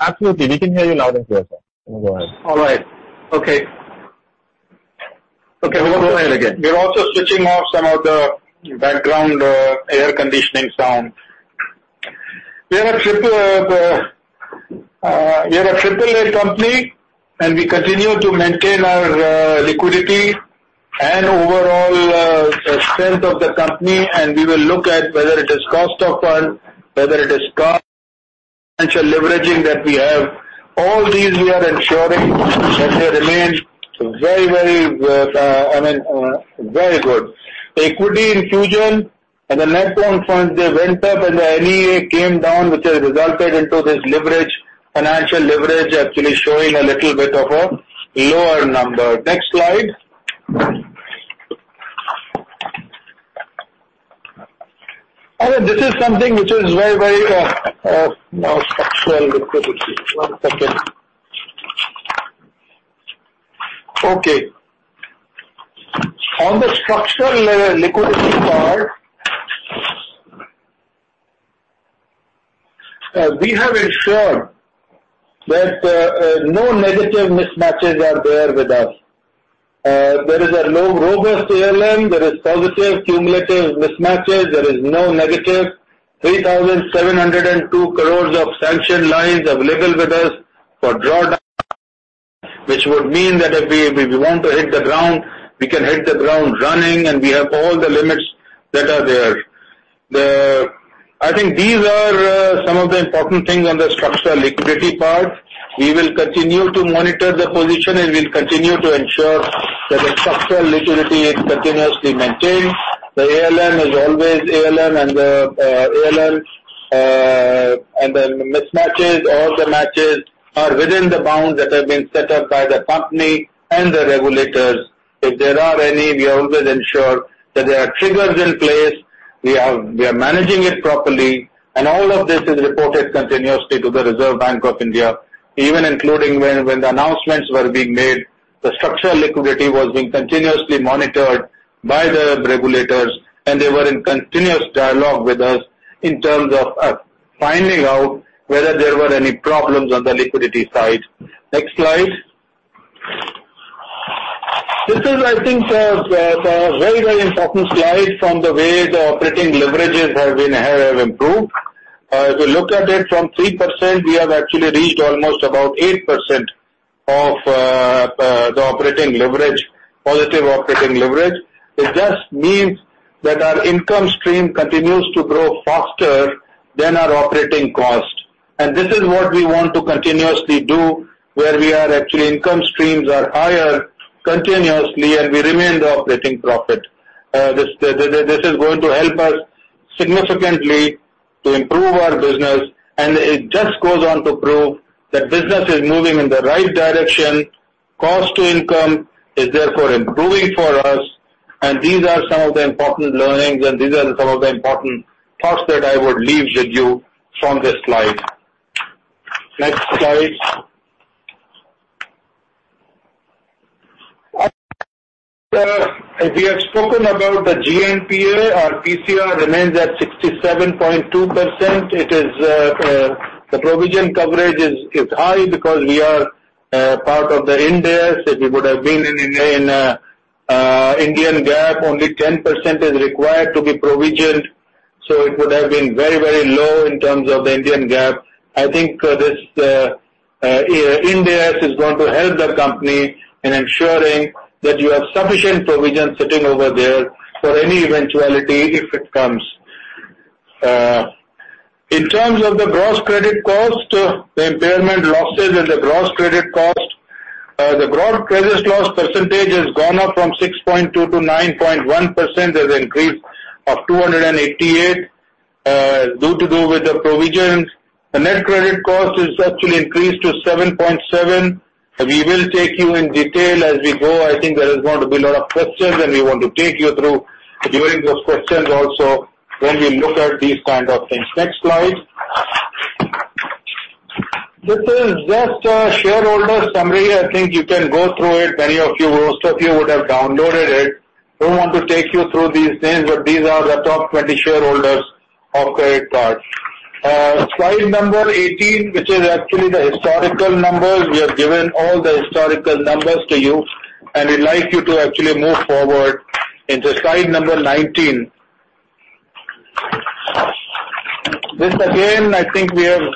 Absolutely. We can hear you loud and clear, sir. You may go ahead. All right. Okay. Okay. We'll go ahead again. We are also switching off some of the background air conditioning sound. We are a AAA company, we continue to maintain our liquidity and overall strength of the company. We will look at whether it is cost of funds, whether it is cost, financial leveraging that we have. All these we are ensuring that they remain very good. The equity infusion and the net loan funds, they went up and the NPA came down, which has resulted into this leverage, financial leverage actually showing a little bit of a lower number. Next slide. I think this is something which is very structural liquidity. One second. Okay. On the structural liquidity part, we have ensured that no negative mismatches are there with us. There is a robust ALM. There is positive cumulative mismatches. There is no negative. A 3,702 crore of sanctioned lines available with us for drawdown, which would mean that if we want to hit the ground, we can hit the ground running, and we have all the limits that are there. I think these are some of the important things on the structural liquidity part. We will continue to monitor the position, and we'll continue to ensure that the structural liquidity is continuously maintained. The ALM and the mismatches or the matches are within the bounds that have been set up by the company and the regulators. If there are any, we always ensure that there are triggers in place. We are managing it properly, and all of this is reported continuously to the Reserve Bank of India. Even including when the announcements were being made, the structural liquidity was being continuously monitored by the regulators, and they were in continuous dialogue with us in terms of finding out whether there were any problems on the liquidity side. Next slide. This is, I think, sir, a very important slide from the way the operating leverages have improved. If you look at it from 3%, we have actually reached almost about 8% of the positive operating leverage. It just means that our income stream continues to grow faster than our operating cost. This is what we want to continuously do, where we are actually income streams are higher continuously, and we remain the operating profit. This is going to help us significantly to improve our business, and it just goes on to prove that business is moving in the right direction. Cost to income is therefore improving for us, and these are some of the important learnings and these are some of the important thoughts that I would leave with you from this slide. Next slide. Okay, we have spoken about the GNPA. Our PCR remains at 67.2%. The provision coverage is high because we are part of the Ind AS. If we would have been in Indian GAAP, only 10% is required to be provisioned. It would have been very low in terms of the Indian GAAP. I think this Ind AS is going to help the company in ensuring that you have sufficient provisions sitting over there for any eventuality if it comes. In terms of the gross credit cost, the impairment losses and the gross credit cost. The gross credit loss percentage has gone up from 6.2%-9.1%. There's an increase of 288 due to do with the provisions. The net credit cost has actually increased to 7.7%. We will take you in detail as we go. I think there is going to be a lot of questions, and we want to take you through during those questions also when we look at these kind of things. Next slide. This is just a shareholder summary. I think you can go through it. Many of you, most of you, would have downloaded it. Don't want to take you through these names, but these are the top 20 shareholders of SBI Card. Slide number 18, which is actually the historical numbers. We have given all the historical numbers to you, and we'd like you to actually move forward into slide number 19. This again, I think these are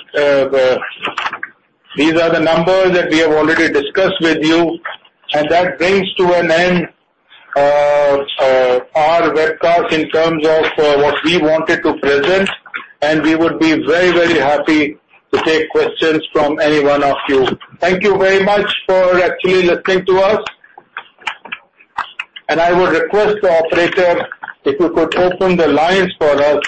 the numbers that we have already discussed with you. That brings to an end our webcast in terms of what we wanted to present. We would be very happy to take questions from any one of you. Thank you very much for actually listening to us. I would request the operator if you could open the lines for us.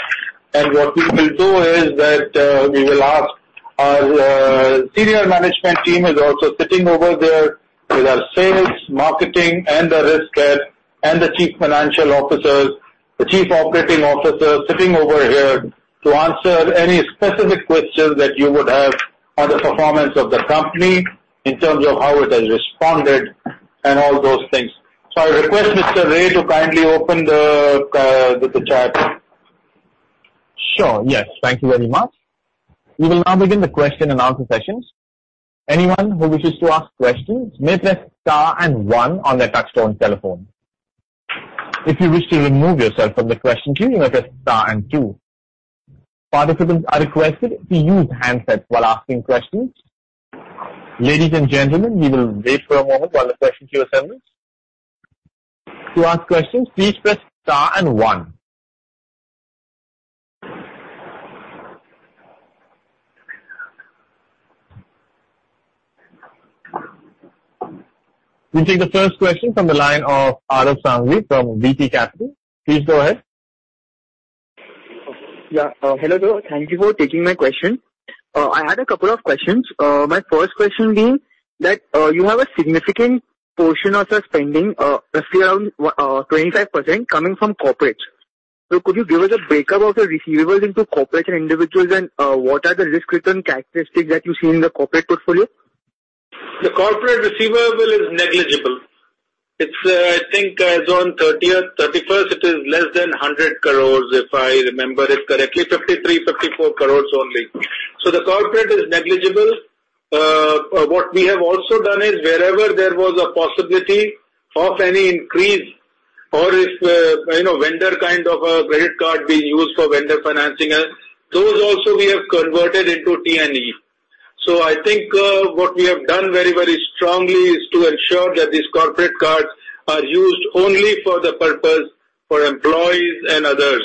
What we will do is that we will ask our senior management team is also sitting over there with our sales and marketing, and the risk head, and the chief financial officers, the chief operating officers sitting over here to answer any specific questions that you would have on the performance of the company in terms of how it has responded and all those things. I request Mr. Ray to kindly open the chat. Sure. Yes. Thank you very much. We will now begin the question and answer sessions. Anyone who wishes to ask questions may press star and one on their touch-tone telephone. If you wish to remove yourself from the question queue, you may press star and two. Participants are requested to use handsets while asking questions. Ladies and gentlemen, we will wait for a moment while the question queue assembles. To ask questions, please press star and one. We take the first question from the line of [Aarav Sanghvi] from B&K Securities. Please go ahead. Hello, sir. Thank you for taking my question. I had a couple of questions. My first question being that you have a significant portion of your spending, roughly around 25%, coming from Corporate. Could you give us a breakup of the receivables into Corporate and individuals and what are the risk return characteristics that you see in the Corporate portfolio? The Corporate receivable is negligible. It's, I think as on 30th, 31st, it is less than 100 crores, if I remember it correctly, 53, 54 crores only. The corporate is negligible. What we have also done is wherever there was a possibility of any increase or if vendor kind of a credit card being used for vendor financing, those also we have converted into T&E. I think what we have done very strongly is to ensure that these corporate cards are used only for the purpose for employees and others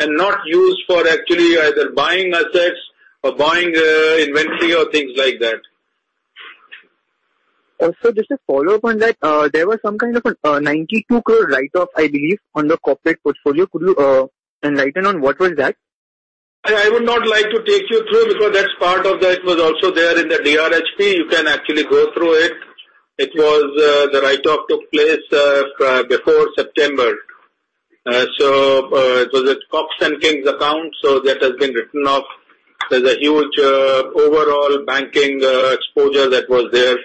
and not used for actually either buying assets or buying inventory or things like that. Sir, just a follow-up on that. There was some kind of a 92 crore write-off, I believe, on the corporate portfolio. Could you enlighten on what was that? I would not like to take you through because that's part of that. It was also there in the DRHP. You can actually go through it. The write-off took place before September. It was a Cox & Kings account, so that has been written off. There's a huge overall banking exposure that was there.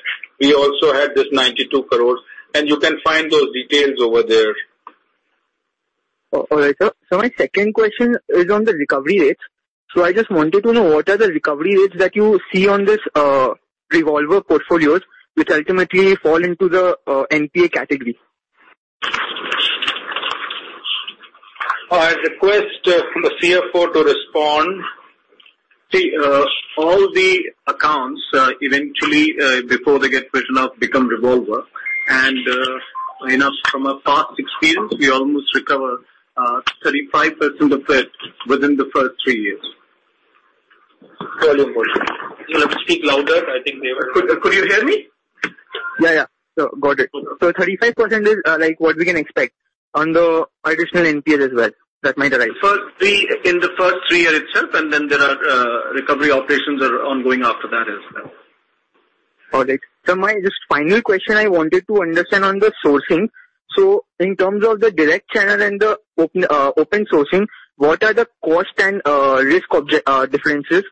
We also had this 92 crores, and you can find those details over there. All right, sir. My second question is on the recovery rates. I just wanted to know what are the recovery rates that you see on these revolver portfolios, which ultimately fall into the NPA category? I request from the CFO to respond. All the accounts eventually, before they get written off, become revolver. From our past experience, we almost recover 35% of it within the first three years. Very important. Sir, speak louder. Could you hear me? Yeah. Got it. 35% is what we can expect on the additional NPAs as well that might arise. In the first three years itself, and then there are recovery operations are ongoing after that as well. All right. Sir, my just final question, I wanted to understand on the sourcing. In terms of the direct channel and the open sourcing, what are the cost and risk differences?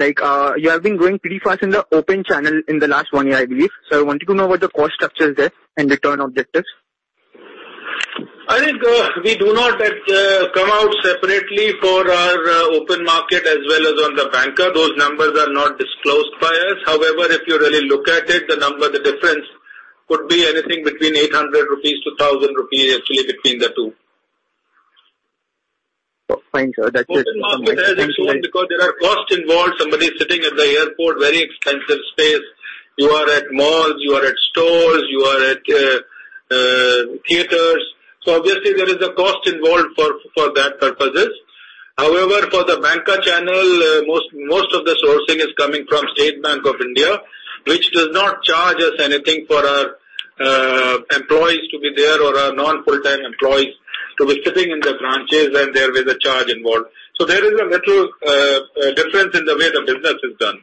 You have been growing pretty fast in the open channel in the last one year, I believe. I wanted to know what the cost structure is there and return objectives? I think we do not come out separately for our open market as well as on the banca. Those numbers are not disclosed by us. However, if you really look at it, the number, the difference could be anything between 800-1,000 rupees actually between the two. Fine, sir. That's it. Open market has its own because there are costs involved. Somebody is sitting at the airport, very expensive space. You are at malls, you are at stores, you are at theaters. Obviously, there is a cost involved for that purposes. However, for the banca channel, most of the sourcing is coming from State Bank of India, which does not charge us anything for our employees to be there or our non-full-time employees to be sitting in their branches then there is a charge involved. There is a little difference in the way the business is done.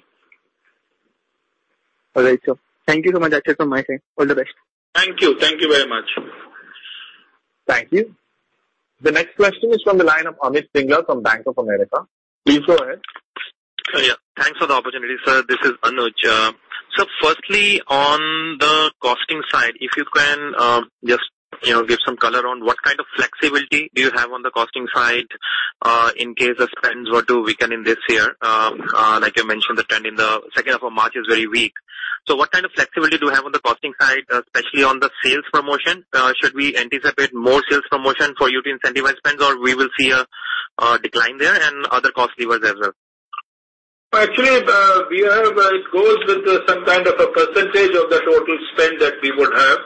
All right, sir. Thank you so much. That's it from my side. All the best. Thank you. Thank you very much. Thank you. The next question is from the line of [Amit Singla] from Bank of America. Please go ahead. Yeah. Thanks for the opportunity, sir. This is [Anuj]. Sir, firstly, on the costing side, if you can just give some color on what kind of flexibility, do you have on the costing side in case the spends were to weaken in this year? Like you mentioned, the trend in the second half of March is very weak. What kind of flexibility do you have on the costing side, especially on the sales promotion? Should we anticipate more sales promotion for you to incentivize spends, or we will see a decline there and other cost levers as well? Actually, it goes with some kind of a percentage of the total spend that we would have,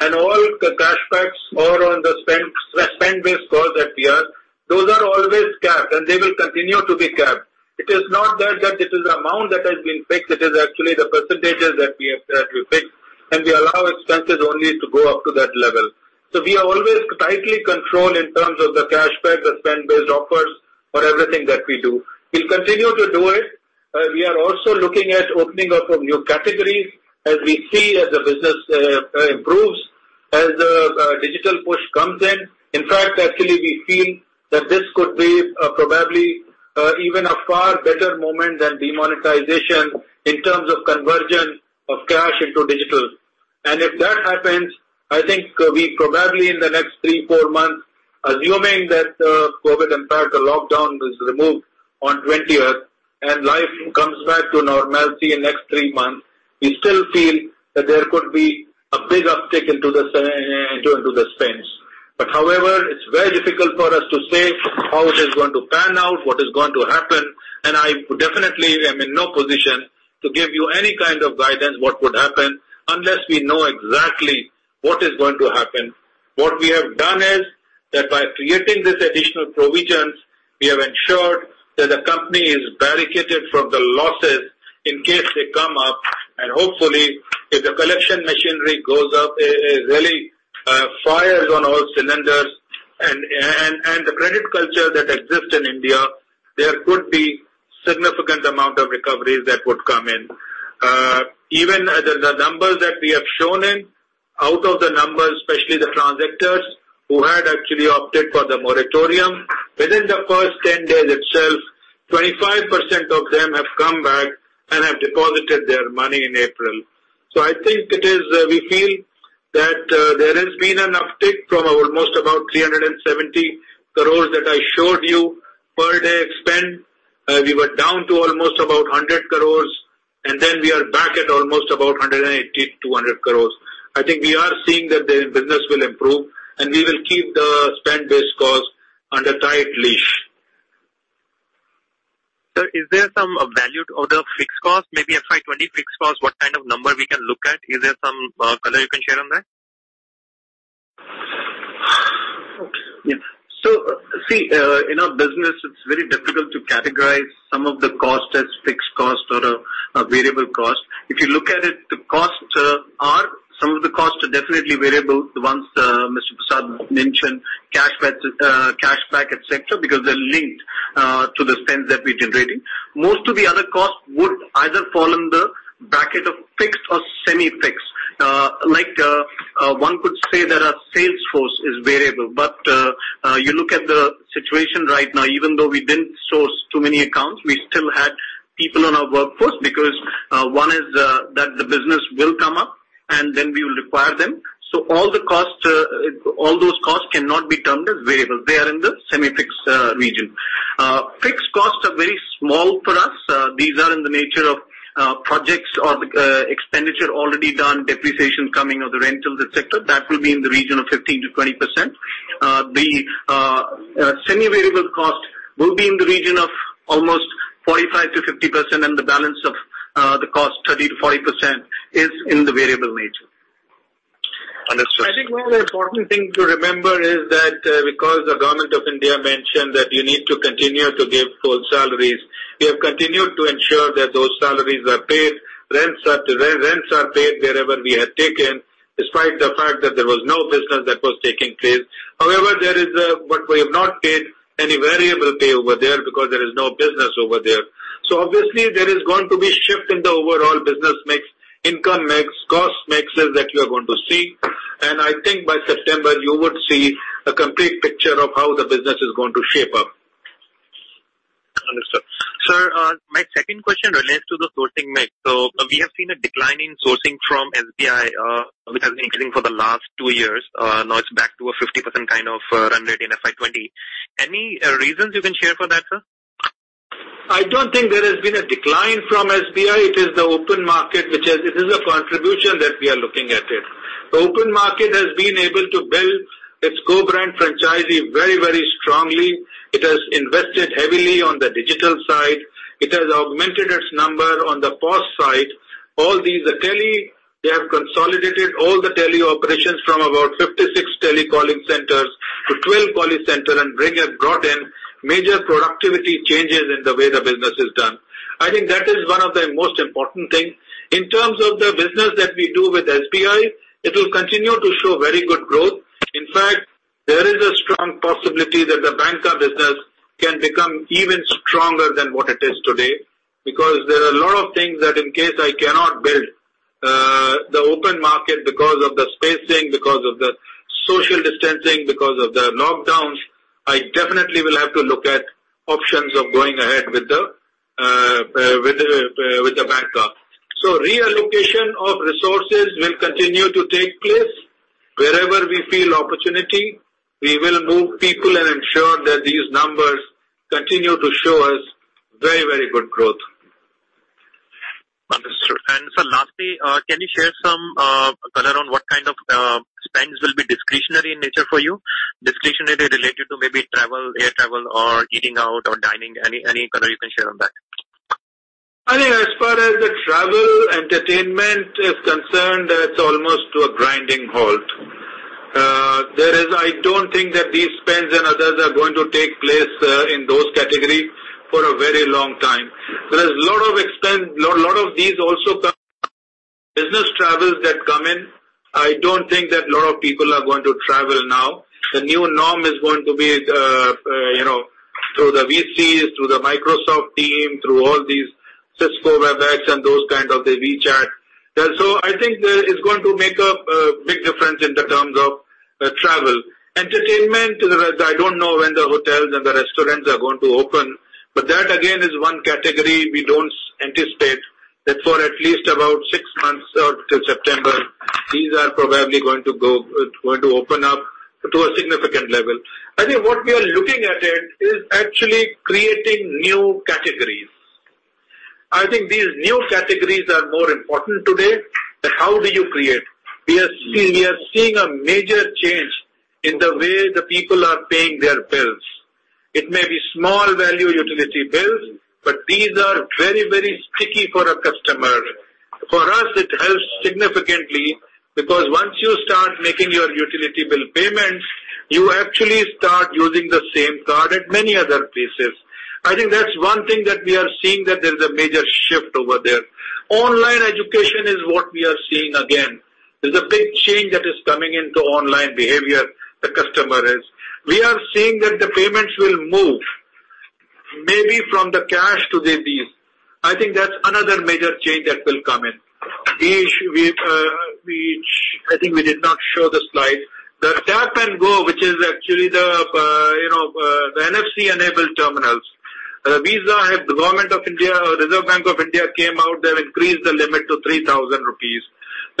and all the cash backs or on the spend-based offers that we have, those are always capped, and they will continue to be capped. It is not there that it is the amount that has been fixed. It is actually the percentages that we pick, and we allow expenses only to go up to that level. We are always tightly controlled in terms of the cash back, the spend-based offers for everything that we do. We'll continue to do it. We are also looking at opening up of new categories as we see as the business improves, as the digital push comes in. In fact, actually, we feel that this could be probably even a far better moment than demonetization in terms of conversion of cash into digital. If that happens, I think we probably in the next three, four months, assuming that COVID-19 impact, the lockdown is removed on 2020 and life comes back to normalcy in next three months, we still feel that there could be a big uptick into the spends. However, it's very difficult for us to say how it is going to pan out, what is going to happen. I definitely am in no position to give you any kind of guidance what would happen unless we know exactly what is going to happen. What we have done is that by creating these additional provisions, we have ensured that the company is barricaded from the losses in case they come up. Hopefully, if the collection machinery goes up, it really fires on all cylinders. The credit culture that exists in India, there could be significant amount of recoveries that would come in. Even the numbers that we have shown in, out of the numbers, especially the transactors who had actually opted for the moratorium, within the first 10 days itself, 25% of them have come back and have deposited their money in April. I think we feel that there has been an uptick from almost about 370 crores that I showed you per day spend. We were down to almost about 100 crores, and then we are back at almost about 180 crores, 200 crores. I think we are seeing that the business will improve, and we will keep the spend-based cost under tight leash. Sir, is there some value to order fixed cost, maybe FY 2020 fixed cost, what kind of number we can look at? Is there some color you can share on that? See, in our business, it's very difficult to categorize some of the cost as fixed cost or a variable cost. If you look at it, some of the costs are definitely variable, the ones Mr. Prasad mentioned, cash back, et cetera, because they're linked to the spends that we're generating. Most of the other costs would either fall in the bracket of fixed or semi-fixed. One could say that our sales force is variable, you look at the situation right now, even though we didn't source too many accounts, we still had people on our workforce because one is that the business will come up and then we will require them. All those costs cannot be termed as variable. They are in the semi-fixed region. Fixed costs are very small for us. These are in the nature of projects or the expenditure already done, depreciation coming, or the rentals, et cetera. That will be in the region of 15%-20%. The semi-variable cost will be in the region of almost 45%-50%, and the balance of the cost, 30%-40%, is in the variable nature. Understood. I think one important thing to remember is that because the Government of India mentioned that you need to continue to give full salaries, we have continued to ensure that those salaries are paid, rents are paid wherever we had taken, despite the fact that there was no business that was taking place. What we have not paid any variable pay over there because there is no business over there. Obviously there is going to be a shift in the overall business mix, income mix, cost mixes that you are going to see. I think by September, you would see a complete picture of how the business is going to shape up. Understood. Sir, my second question relates to the sourcing mix. We have seen a decline in sourcing from SBI, which has been increasing for the last two years. Now it's back to a 50% kind of run rate in FY 2020. Any reasons you can share for that, sir? I don't think there has been a decline from SBI. It is the open market. It is a contribution that we are looking at it. The open market has been able to build its co-brand franchise very strongly. It has invested heavily on the digital side. It has augmented its number on the POS side. They have consolidated all the tele operations from about 56 tele calling centers to 12 call centers and brought in major productivity changes in the way the business is done. I think that is one of the most important things. In terms of the business that we do with SBI, it will continue to show very good growth. In fact, there is a strong possibility that the banca business can become even stronger than what it is today. Because there are a lot of things that in case I cannot build the open market because of the spacing, because of the social distancing, because of the lockdowns, I definitely will have to look at options of going ahead with the banca. Reallocation of resources will continue to take place. Wherever we feel opportunity, we will move people and ensure that these numbers continue to show us very good growth. Understood. Sir, lastly, can you share some color on what kind of spends will be discretionary in nature for you, discretionary related to maybe travel, air travel, or eating out or dining? Any color you can share on that? I think as far as the travel entertainment is concerned, it is almost to a grinding halt. I don't think that these spends and others are going to take place in those categories for a very long time. There is a lot of these also business travels that come in. I don't think that a lot of people are going to travel now. The new norm is going to be through the VCs, through the Microsoft Teams, through all these Cisco Webex and those kinds of the WeChat. I think it is going to make a big difference in terms of travel. Entertainment, I don't know when the hotels and the restaurants are going to open, but that again, is one category we don't anticipate that for at least about six months out till September, these are probably going to open up to a significant level. I think what we are looking at it is actually creating new categories. I think these new categories are more important today than how do you create. We are seeing a major change in the way the people are paying their bills. It may be small value utility bills, but these are very sticky for a customer. For us, it helps significantly because once you start making your utility bill payments, you actually start using the same card at many other places. I think that's one thing that we are seeing, that there is a major shift over there. Online education is what we are seeing again. There's a big change that is coming in the online behavior. The customer is. We are seeing that the payments will move maybe from the cash to the Visa. I think that's another major change that will come. I think we did not show the slide. The tap and go, which is actually the NFC-enabled terminals. Visa and the Government of India, Reserve Bank of India came out, they've increased the limit to 3,000 rupees.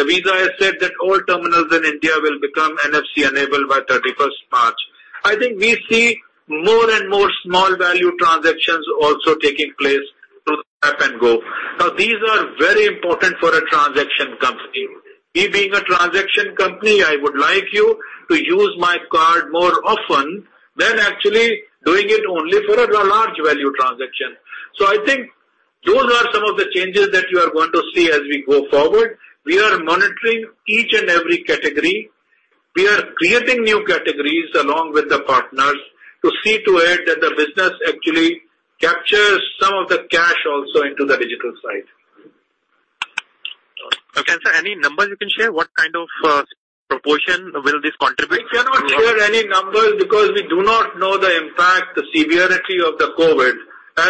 Visa has said that all terminals in India will become NFC-enabled by March 31st. I think we see more and more small value transactions also taking place through tap and go. These are very important for a transaction company. We being a transaction company, I would like you to use my card more often than actually doing it only for a large value transaction. I think those are some of the changes that you are going to see as we go forward. We are monitoring each and every category. We are creating new categories along with the partners to see to it that the business actually captures some of the cash also into the digital side. Okay. Sir, any numbers you can share? What kind of proportion will this contribute? We cannot share any numbers because we do not know the impact, the severity of the COVID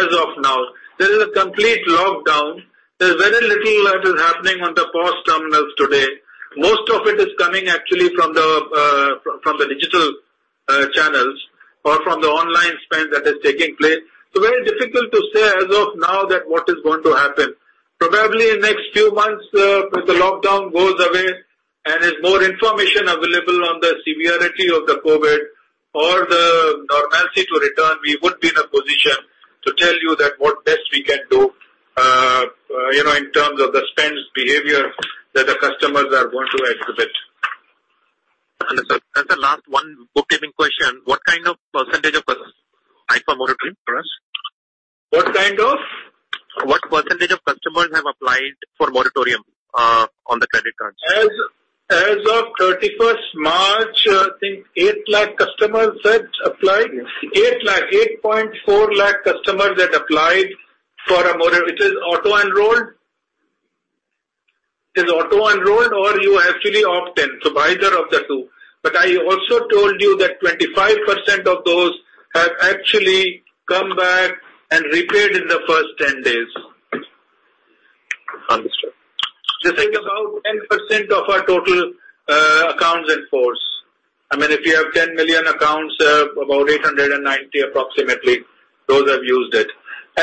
as of now. There is a complete lockdown. There's very little that is happening on the POS terminals today. Most of it is coming actually from the digital channels, spend that is taking place. Very difficult to say as of now that what is going to happen. Probably in next few months, if the lockdown goes away and is more information available on the severity of the COVID or the normalcy to return, we would be in a position to tell you that what best we can do in terms of the spends behavior that the customers are going to exhibit. Sir, just the last one bookkeeping question. What kind of percentage of customers applied for moratorium for us? What kind of? What percentage of customers have applied for moratorium on the credit cards? As of March31st, I think eight lakh customers had applied. Yes. A 8.4 lakh customers had applied for a morat which is auto-enrolled. Is auto-enrolled or you actually opt in, either of the two. I also told you that 25% of those have actually come back and repaid in the first 10 days. Understood. This is about 10% of our total accounts in force. If you have 10 million accounts, about 890 approximately, those have used it.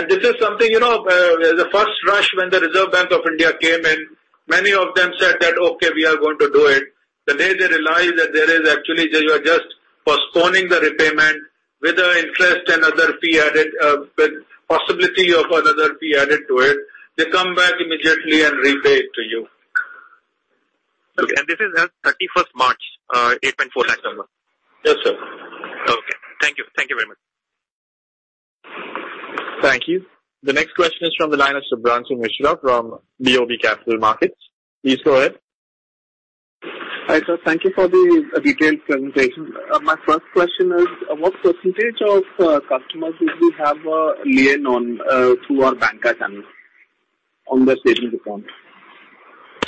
This is something, the first rush when the Reserve Bank of India came in, many of them said that: Okay, we are going to do it. The day they realize that they are just postponing the repayment with the interest and with possibility of another fee added to it, they come back immediately and repay it to you. Okay. This is as March 31st, 8.4 lakh number. Yes, sir. Okay. Thank you. Thank you very much. Thank you. The next question is from the line of [Subrahmanyam Vishwa] from BOB Capital Markets. Please go ahead. Hi, sir. Thank you for the detailed presentation. My first question is, what percentage of customers would you have a lien on through our bank account on the savings account?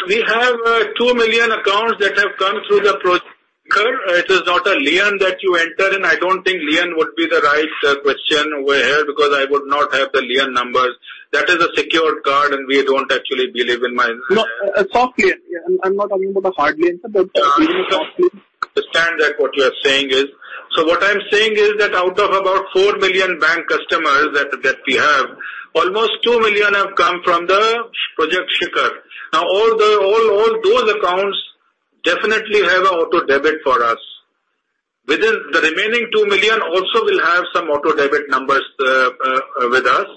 We have 2 million accounts that have come through the Project Shikhar. It is not a lien that you enter in. I don't think lien would be the right question over here because I would not have the lien numbers. That is a secured card, and we don't actually believe in. No, soft lien. I'm not talking about the hard lien, sir, but the soft lien. I understand that what you are saying is. What I'm saying is that out of about 4 million bank customers that we have, almost 2 million have come from the Project Shikhar. All those accounts definitely have a auto debit for us. The remaining 2 million also will have some auto debit numbers with us.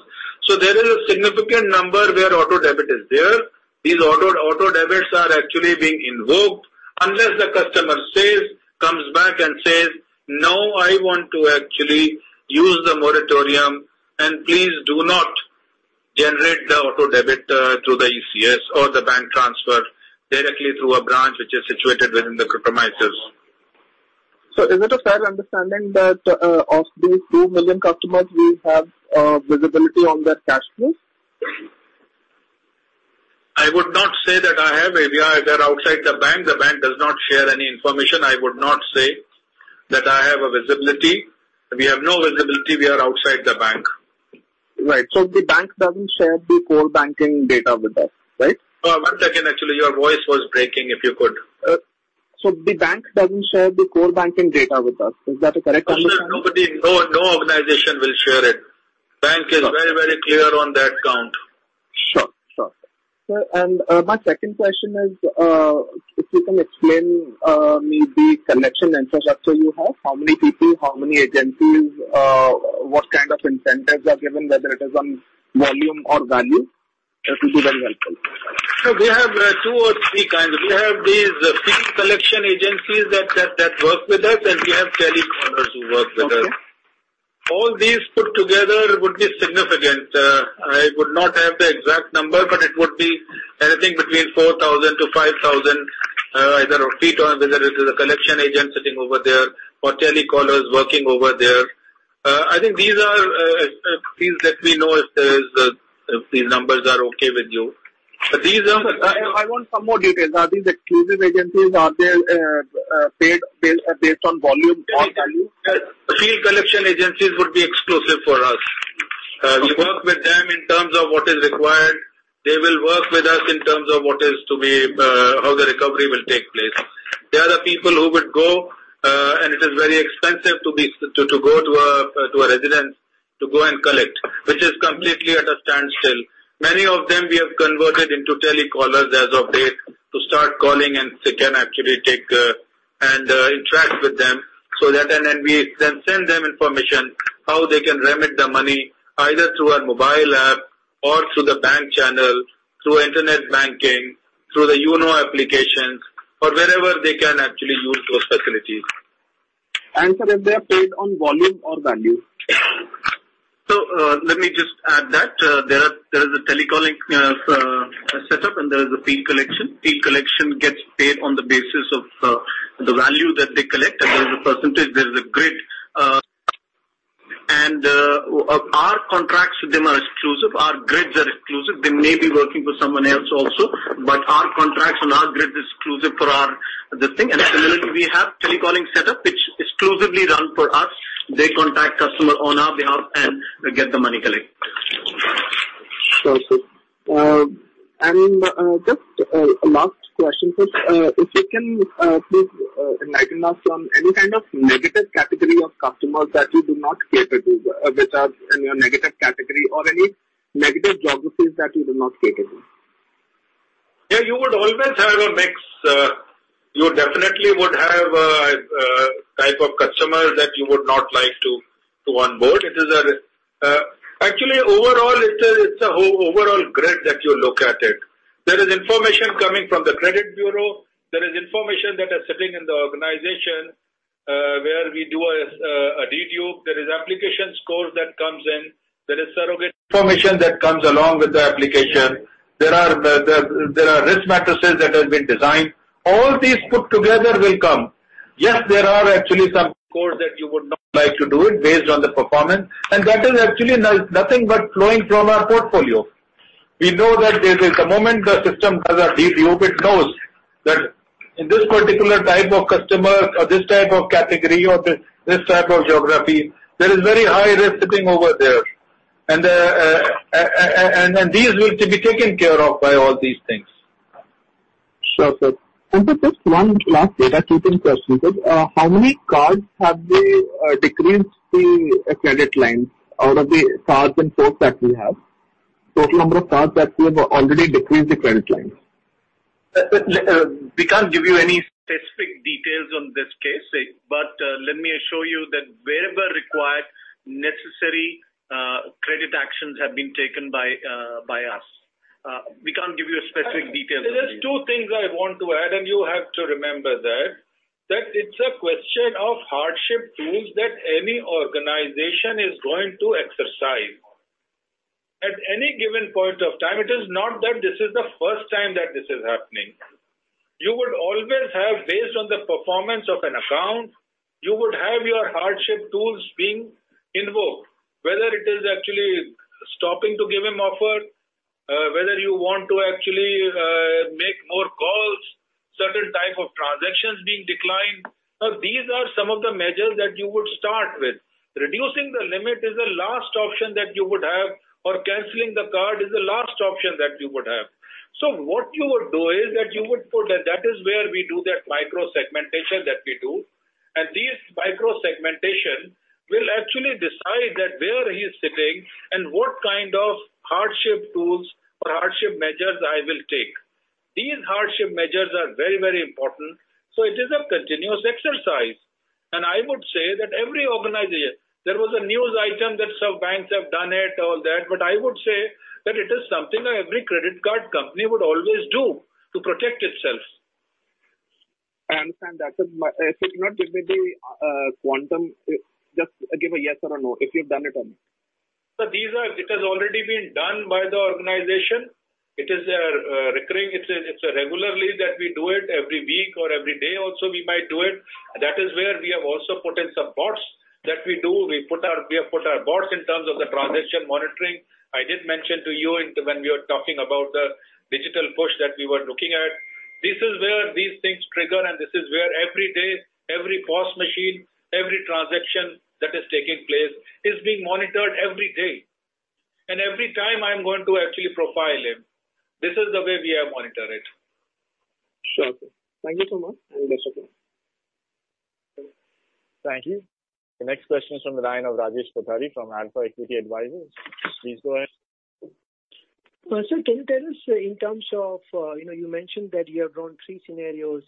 There is a significant number where auto debit is there. These auto debits are actually being invoked. Unless the customer says, comes back and says: No, I want to actually use the moratorium and please do not generate the auto debit through the ECS or the bank transfer directly through a branch which is situated within the premises. Is it a fair understanding that of these 2 million customers we have visibility on their cash flows? I would not say that I have. If they are outside the bank, the bank does not share any information. I would not say that I have a visibility. We have no visibility. We are outside the bank. Right. The bank doesn't share the core banking data with us, right? One second, actually, your voice was breaking, if you could. The bank doesn't share the core banking data with us. Is that a correct understanding? No organization will share it. Bank is very clear on that count. Sure. Sir, my second question is, if you can explain maybe collection infrastructure you have, how many people, how many agencies, what kind of incentives are given, whether it is on volume or value. This will be very helpful. Sir, we have two or three kinds. We have these field collection agencies that work with us, and we have telecallers who work with us. Okay. All these put together would be significant. I would not have the exact number, but it would be anything between 4,000-5,000, either a field or whether it is a collection agent sitting over there or telecallers working over there. Please let me know if these numbers are okay with you. Sir, I want some more details. Are these exclusive agencies? Are they paid based on volume or value? Field collection agencies would be exclusive for us. We work with them in terms of what is required. They will work with us in terms of how the recovery will take place. There are people who would go, and it is very expensive to go to a residence to go and collect, which is completely at a standstill. Many of them we have converted into telecallers as of date to start calling and they can actually take and interact with them so that then we then send them information how they can remit the money either through our mobile app or through the bank channel, through internet banking, through the YONO applications or wherever they can actually use those facilities. Sir, they are paid on volume or value? Let me just add that there is a telecalling setup and there is a field collection. Field collection gets paid on the basis of the value that they collect, and there is a percentage, there is a grid. Our contracts with them are exclusive. Our grids are exclusive. They may be working for someone else also, but our contracts and our grid is exclusive for our this thing. Similarly, we have telecalling setup, which exclusively run for us. They contact customer on our behalf and get the money collected. Sure, sir. Just last question, sir. If you can, please enlighten us on any kind of negative category of customers that you do not cater to, which are in your negative category, or any negative geographies that you do not cater to? Yeah, you would always have a mix. You definitely would have a type of customer that you would not like to onboard. Actually, overall, it's an overall grid that you look at it. There is information coming from the credit bureau, there is information that is sitting in the organization, where we do a dedupe. There is application scores that comes in. There is surrogate information that comes along with the application. There are risk matrices that have been designed. All these put together will come. Yes, there are actually some scores that you would not like to do it based on the performance, and that is actually nothing but flowing from our portfolio. We know that the moment the system does a dedupe, it knows that in this particular type of customer or this type of category or this type of geography, there is very high risk sitting over there. These will be taken care of by all these things. Sure, sir. Just one last data keeping question. How many cards have they decreased the credit lines out of the cards in force that we have? Total number of cards that we have already decreased the credit lines. We can't give you any specific details on this case, but let me assure you that wherever required, necessary credit actions have been taken by us. We can't give you specific details. There's two things I want to add, and you have to remember that it's a question of hardship tools that any organization is going to exercise. At any given point of time, it is not that this is the first time that this is happening. You would always have, based on the performance of an account, you would have your hardship tools being invoked. Whether it is actually stopping to give him offer, whether you want to actually make more calls, certain type of transactions being declined. Now, these are some of the measures that you would start with. Reducing the limit is the last option that you would have, or canceling the card is the last option that you would have. What you would do is that you would put that. That is where we do that micro-segmentation that we do. These micro-segmentation will actually decide where he is sitting and what kind of hardship tools or hardship measures I will take. These hardship measures are very important, so it is a continuous exercise. And I would say that every organizer—there was a news item that some banks have done it, all that, but I would say that it is something every credit card company would always do to protect itself. I understand that, sir. If you cannot give me the quantum, just give a yes or a no if you've done it or not. Sir, it has already been done by the organization. It's regularly that we do it, every week or every day also we might do it. That is where we have also put in some bots that we do. We have put our bots in terms of the transaction monitoring. I did mention to you when we were talking about the digital push that we were looking at. This is where these things trigger, and this is where every day, every POS machine, every transaction that is taking place is being monitored every day. Every time I am going to actually profile him. This is the way we have monitored it. Sure, sir. Thank you so much. Thank you. The next question is from the line of Rajesh Kothari from AlfAccurate Advisors. Please go ahead. Sir, can you tell us in terms of, you mentioned that you have drawn three scenarios.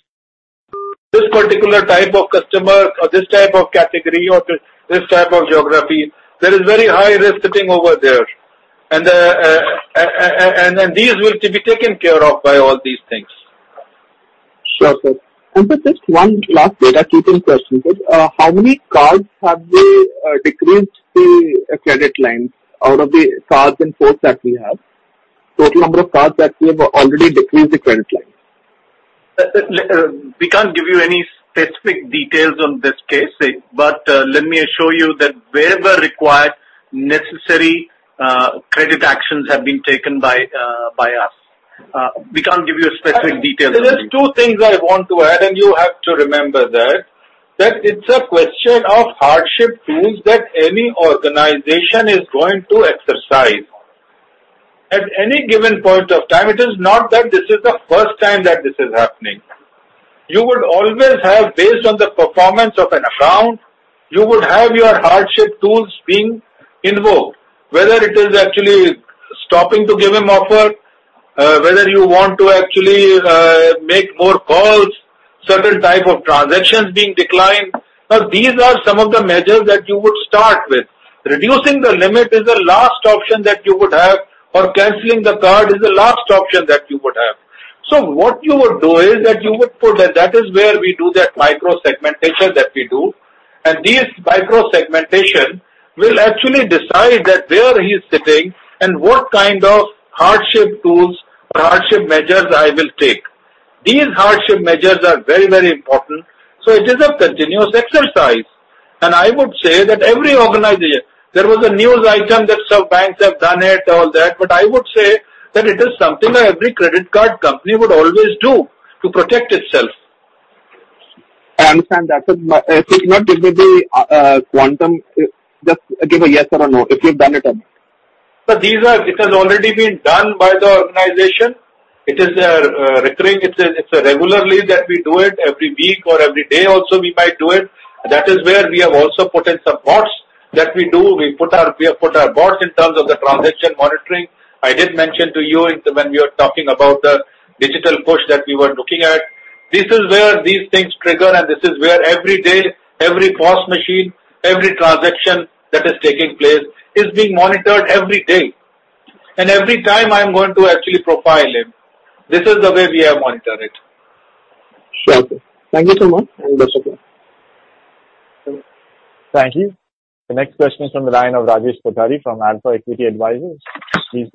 What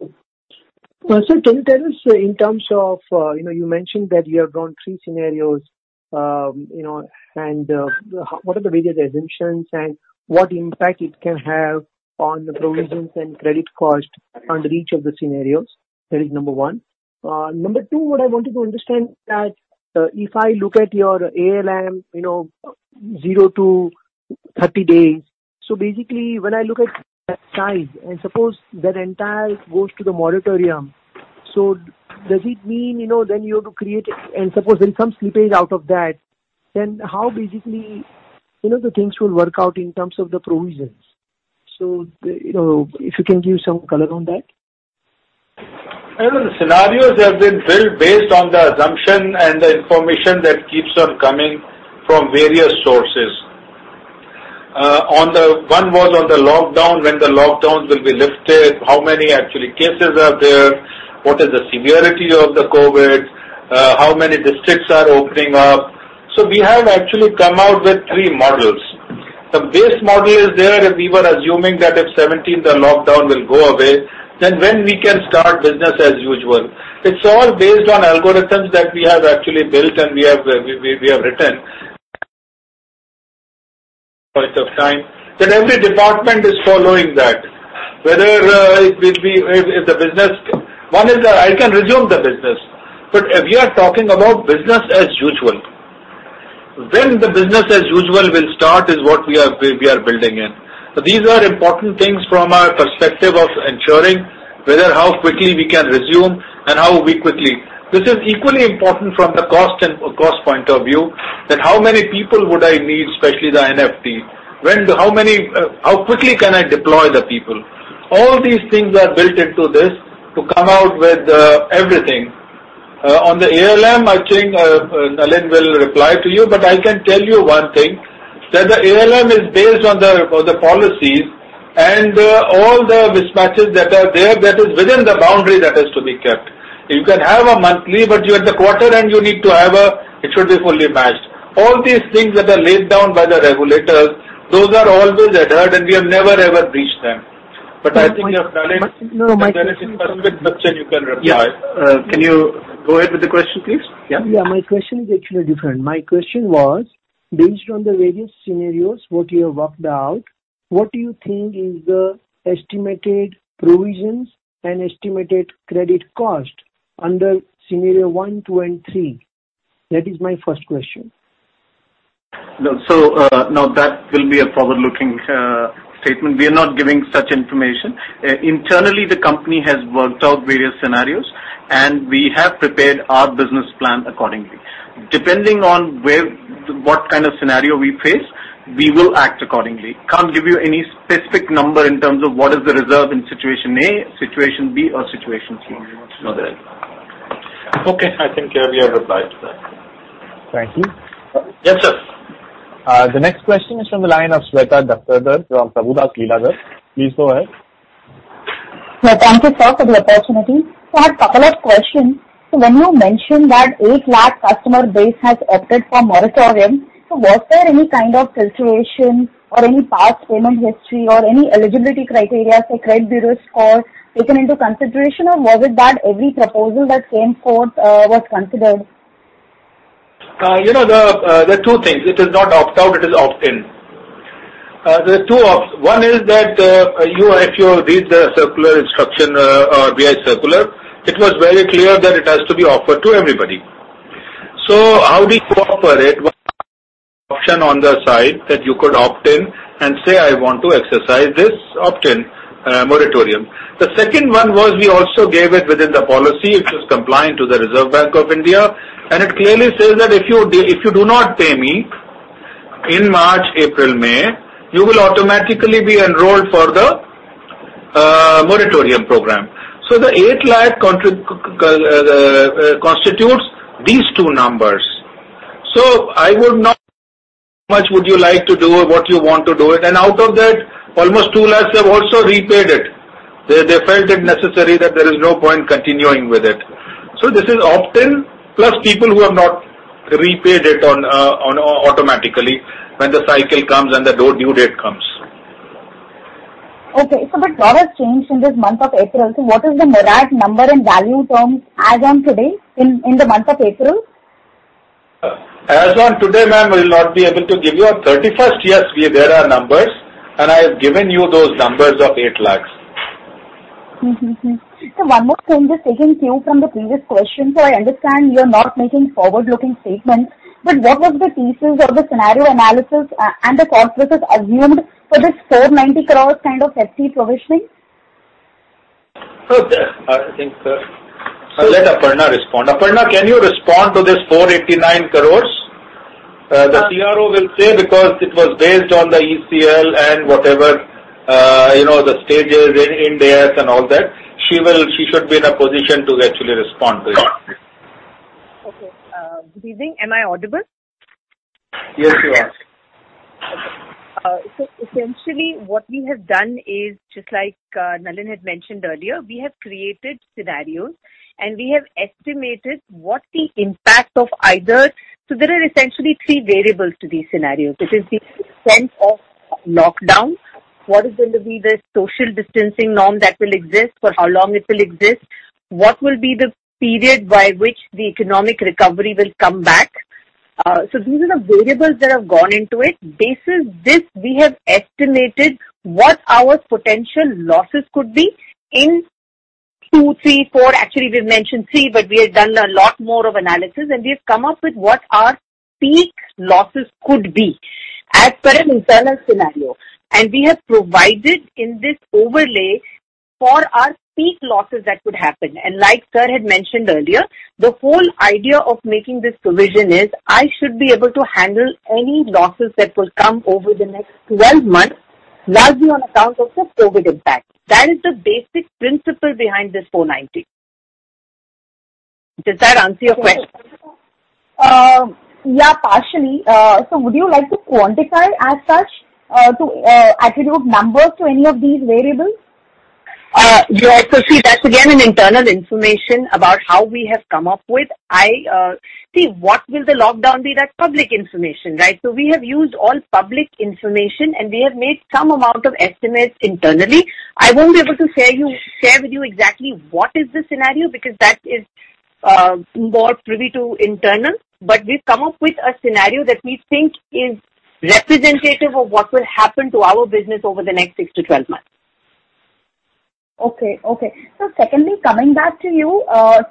are the various assumptions and what impact it can have on the provisions and credit cost under each of the scenarios? That is number one. Number two, what I wanted to understand that if I look at your ALM, zero to 30 days. Basically, when I look at that size, and suppose that entire goes to the moratorium. Does it mean then you have to create, and suppose there's some slippage out of that, then how basically the things will work out in terms of the provisions? If you can give some color on that. The scenarios have been built based on the assumption and the information that keeps on coming from various sources. One was on the lockdown, when the lockdowns will be lifted, how many actually cases are there, what is the severity of the COVID, how many districts are opening up. We have actually come out with three models. The base model is there, we were assuming that if 17th the lockdown will go away, then when we can start business as usual. It's all based on algorithms that we have actually built and we have written. Point of time. Every department is following that. One is that I can resume the business. We are talking about business as usual. When the business as usual will start is what we are building in. These are important things from our perspective of ensuring whether how quickly we can resume and how quickly. This is equally important from the cost point of view, that how many people would I need, especially the NFP. How quickly can I deploy the people? All these things are built into this to come out with everything. On the ALM, I think Nalin will reply to you, but I can tell you one thing, that the ALM is based on the policies and all the mismatches that are there that is within the boundary that is to be kept. You can have a monthly, but you at the quarter end, you need to have a, it should be fully matched. All these things that are laid down by the regulators, those are always adhered, and we have never, ever breached them. I think you have done it. No, my question is- Nalin, if that's your question, you can reply. Can you go ahead with the question, please? Yeah. Yeah, my question is actually different. My question was, based on the various scenarios what you have worked out, what do you think is the estimated provisions and estimated credit cost under scenario one, two, and three? That is my first question. Now that will be a forward-looking statement. We are not giving such information. Internally, the company has worked out various scenarios, and we have prepared our business plan accordingly. Depending on what kind of scenario we face, we will act accordingly. Can't give you any specific number in terms of what is the reserve in situation A, situation B, or situation C. Okay. I think we have replied to that. Thank you. Yes, sir. The next question is from the line of Shweta Daptardar from Prabhudas Lilladher. Please go ahead. Yeah. Thank you, sir, for the opportunity. I have a couple of questions. When you mentioned that 8 lakh customer base has opted for moratorium, was there any kind of filtration or any past payment history or any eligibility criteria for credit bureau score taken into consideration, or was it that every proposal that came forth was considered? There are two things. It is not opt-out, it is opt-in. There are two ops. One is that if you read the circular instruction, RBI circular, it was very clear that it has to be offered to everybody. How we operated was option on the side that you could opt in and say: I want to exercise this opt-in moratorium. The second one was we also gave it within the policy. It was compliant to the Reserve Bank of India, and it clearly says that if you do not pay me in March, April, May, you will automatically be enrolled for the moratorium program. The INR 8 lakh constitutes these two numbers. So, I would you like to what you want to do it, and out of that, almost 2 lakh have also repaid it. They felt it necessary that there is no point continuing with it. This is opt-in, plus people who have not repaid it automatically when the cycle comes and the due date comes. Okay. Lot has changed in this month of April. What is the net number and value terms as on today in the month of April? As on today, ma'am, I will not be able to give you. On 31st, yes, there are numbers, and I have given you those numbers of 8 lakh. Sir, one more thing. Just taking cue from the previous question. I understand you're not making forward-looking statements, but what was the thesis or the scenario analysis and the corporates assumed for this INR 490 crore kind of ECL provisioning? I think, let Aparna respond. Aparna, can you respond to this 489 crores? The CRO will say because it was based on the ECL and whatever, you know, the stages in there and all that. She should be in a position to actually respond to it. Okay. Good evening. Am I audible? Yes, you are. Okay. Essentially, what we have done is just like Nalin had mentioned earlier, we have created scenarios, and we have estimated. There are essentially three variables to these scenarios, which is the extent of lockdown. What is going to be the social distancing norm that will exist, for how long it will exist? What will be the period by which the economic recovery will come back? These are the variables that have gone into it. Based on this, we have estimated what our potential losses could be in two, three, four. Actually, we've mentioned three, but we have done a lot more of analysis, and we have come up with what our peak losses could be as per an internal scenario. We have provided in this overlay for our peak losses that could happen. Like sir had mentioned earlier, the whole idea of making this provision is I should be able to handle any losses that will come over the next 12 months, largely on account of the COVID impact. That is the basic principle behind this 490. Does that answer your question? Yeah, partially. Would you like to quantify as such to attribute numbers to any of these variables? Yeah. See, that's again an internal information about how we have come up with. See, what will the lockdown be, that's public information. We have used all public information, and we have made some amount of estimates internally. I won't be able to share with you exactly what is the scenario, because that is more privy to internal, but we've come up with a scenario that we think is representative of what will happen to our business over the next 6-12 months. Okay. Secondly, coming back to you,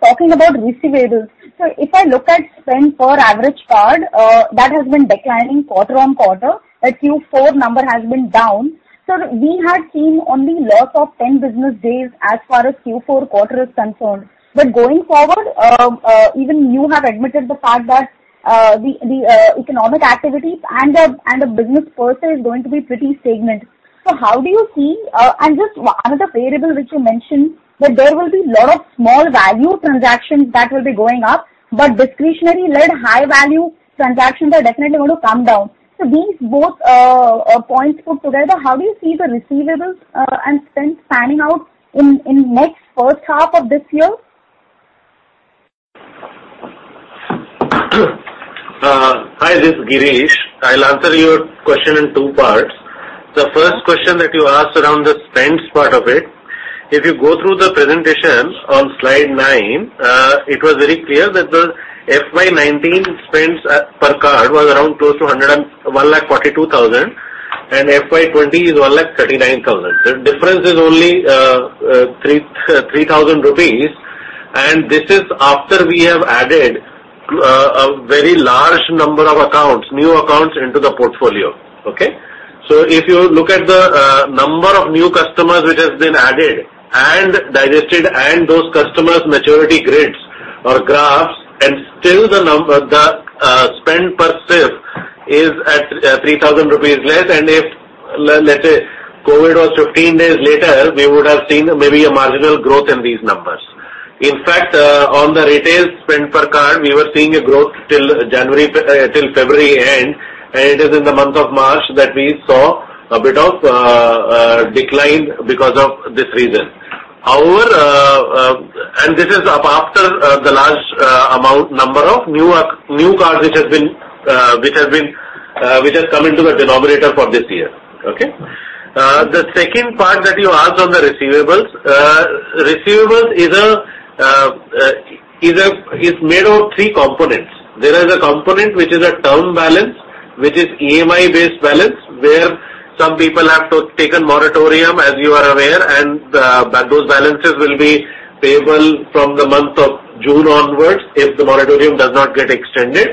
talking about receivables. If I look at spend per average card, that has been declining quarter on quarter. The Q4 number has been down. We had seen only loss of 10 business days as far as Q4 quarter is concerned. Going forward, even you have admitted the fact that the economic activities and the business per se is going to be pretty stagnant. Just another variable which you mentioned, that there will be lot of small value transactions that will be going up, but discretionary-led high value transactions are definitely going to come down. These both points put together, how do you see the receivables and spend panning out in next first half of this year? Hi, this is Girish. I'll answer your question in two parts. The first question that you asked around the spends part of it. If you go through the presentation on slide nine, it was very clear that the FY 2019 spends per card was around close to 142,000, and FY 2020 is 139,000. The difference is only 3,000 rupees. This is after we have added a very large number of new accounts into the portfolio. Okay. If you look at the number of new customers which has been added and digested and those customers maturity grids or graphs, and still the spend per se is at 3,000 rupees less. If, let's say COVID-19 was 15 days later, we would have seen maybe a marginal growth in these numbers. In fact, on the retail spend per card, we were seeing a growth till February end, and it is in the month of March that we saw a bit of a decline because of this reason. However, and this is after the large number of new cards which has come into the denominator for this year. Okay? The second part that you asked on the receivables. Receivables is made of three components. There is a component which is a term balance, which is EMI-based balance, where some people have taken moratorium, as you are aware, and those balances will be payable from the month of June onwards if the moratorium does not get extended.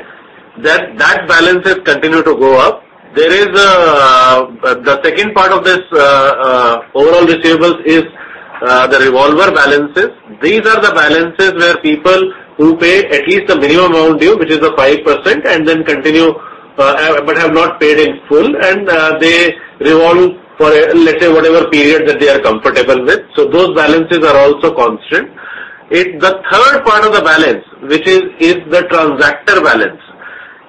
That balance has continued to go up. The second part of this overall receivables is the revolver balances. These are the balances where people who pay at least the minimum amount due, which is the 5%, and then continue, but have not paid in full, and they revolve for, let's say, whatever period that they are comfortable with. Those balances are also constant. The third part of the balance, which is the transactor balance.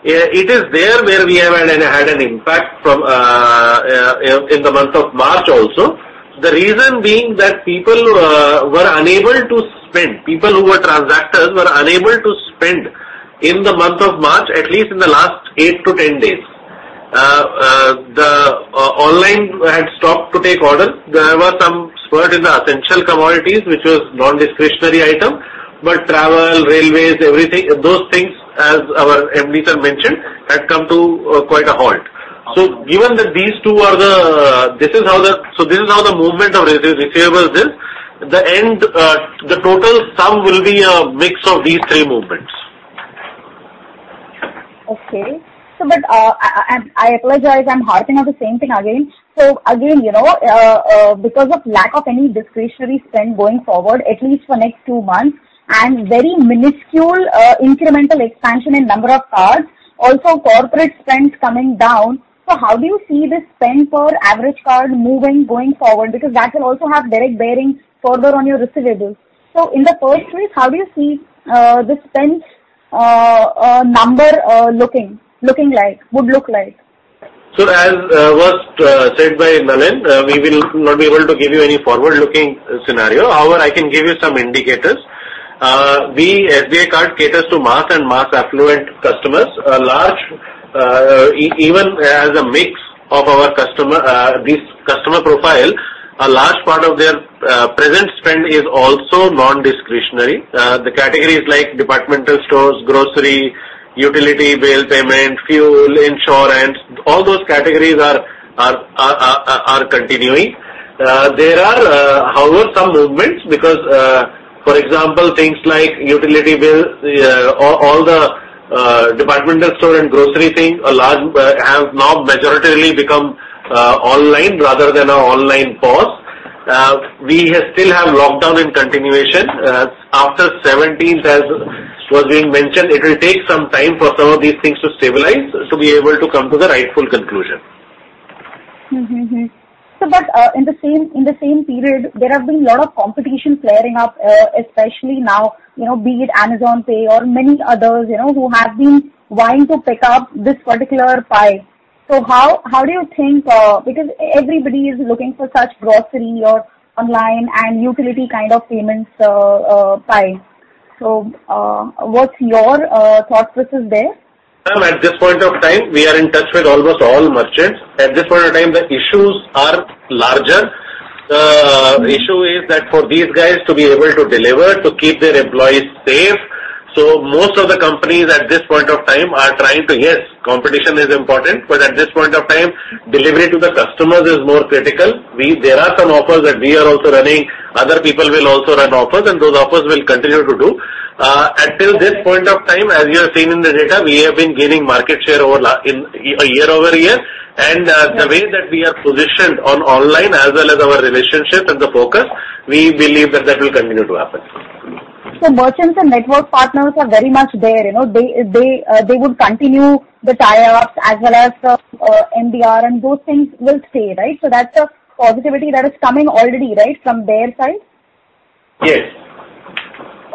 It is there where we have had an impact in the month of March also. The reason being that people were unable to spend. People who were transactors were unable to spend in the month of March, at least in the last eight to ten days. The online had stopped to take orders. There was some spurt in the essential commodities, which was non-discretionary item, but travel, railways, everything, those things, as our MD, sir, mentioned, had come to quite a halt. This is how the movement of receivables is. The total sum will be a mix of these three movements. Okay. I apologize, I'm harping on the same thing again. Again, because of lack of any discretionary spend going forward, at least for next two months, and very minuscule incremental expansion in number of cards, also corporate spends coming down. How do you see this spend per average card moving going forward? Because that will also have direct bearing further on your receivables. In the first place, how do you see this spend number would look like? As was said by Nalin, we will not be able to give you any forward-looking scenario. However, I can give you some indicators. SBI Card caters to mass and mass affluent customers. Even as a mix of these customer profiles, a large part of their present spend is also non-discretionary. The categories like departmental stores, grocery, utility bill payment, fuel, insurance, all those categories are continuing. There are, however, some movements because, for example, things like utility bills, all the departmental store and grocery things have now majorly become online rather than offline POS. We still have lockdown in continuation. After 17th, as was being mentioned, it will take some time for some of these things to stabilize to be able to come to the rightful conclusion. In the same period, there have been a lot of competition flaring up, especially now, be it Amazon Pay or many others who have been vying to pick up this particular pie. How do you think, because everybody is looking for such grocery or online and utility kind of payments pie. What's your thought process there? Ma'am, at this point of time, we are in touch with almost all merchants. At this point of time, the issues are larger. The issue is that for these guys to be able to deliver, to keep their employees safe. Most of the companies at this point of time are trying to, yes, competition is important, but at this point of time, delivery to the customers is more critical. There are some offers that we are also running, other people will also run offers, and those offers will continue to do. Until this point of time, as you have seen in the data, we have been gaining market share year-over-year. The way that we are positioned on online as well as our relationship and the focus, we believe that that will continue to happen. Merchants and network partners are very much there. They would continue the tie-ups as well as the NDR and those things will stay, right? That's a positivity that is coming already, right, from their side? Yes.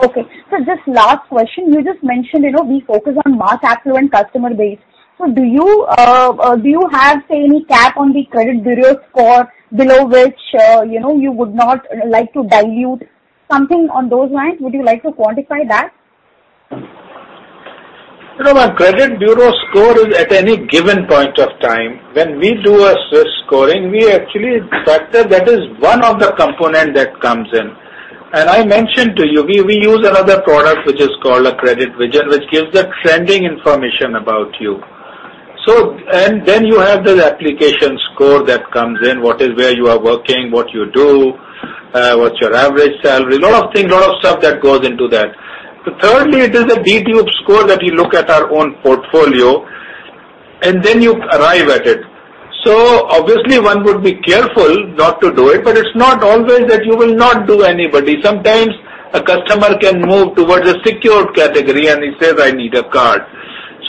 Okay. Just last question. You just mentioned, we focus on mass affluent customer base. Do you have, say, any cap on the credit bureau score below which you would not like to dilute? Something on those lines. Would you like to quantify that? Credit bureau score is at any given point of time. When we do a risk scoring, we actually factor that is one of the component that comes in. I mentioned to you, we use another product which is called a CreditVision, which gives the trending information about you. Then you have this application score that comes in, where you are working, what you do, what's your average salary, lot of stuff that goes into that. Thirdly, it is a deep tube score that we look at our own portfolio, and then you arrive at it. Obviously, one would be careful not to do it, but it's not always that you will not do anybody. Sometimes a customer can move towards a secured category and he says: I need a card.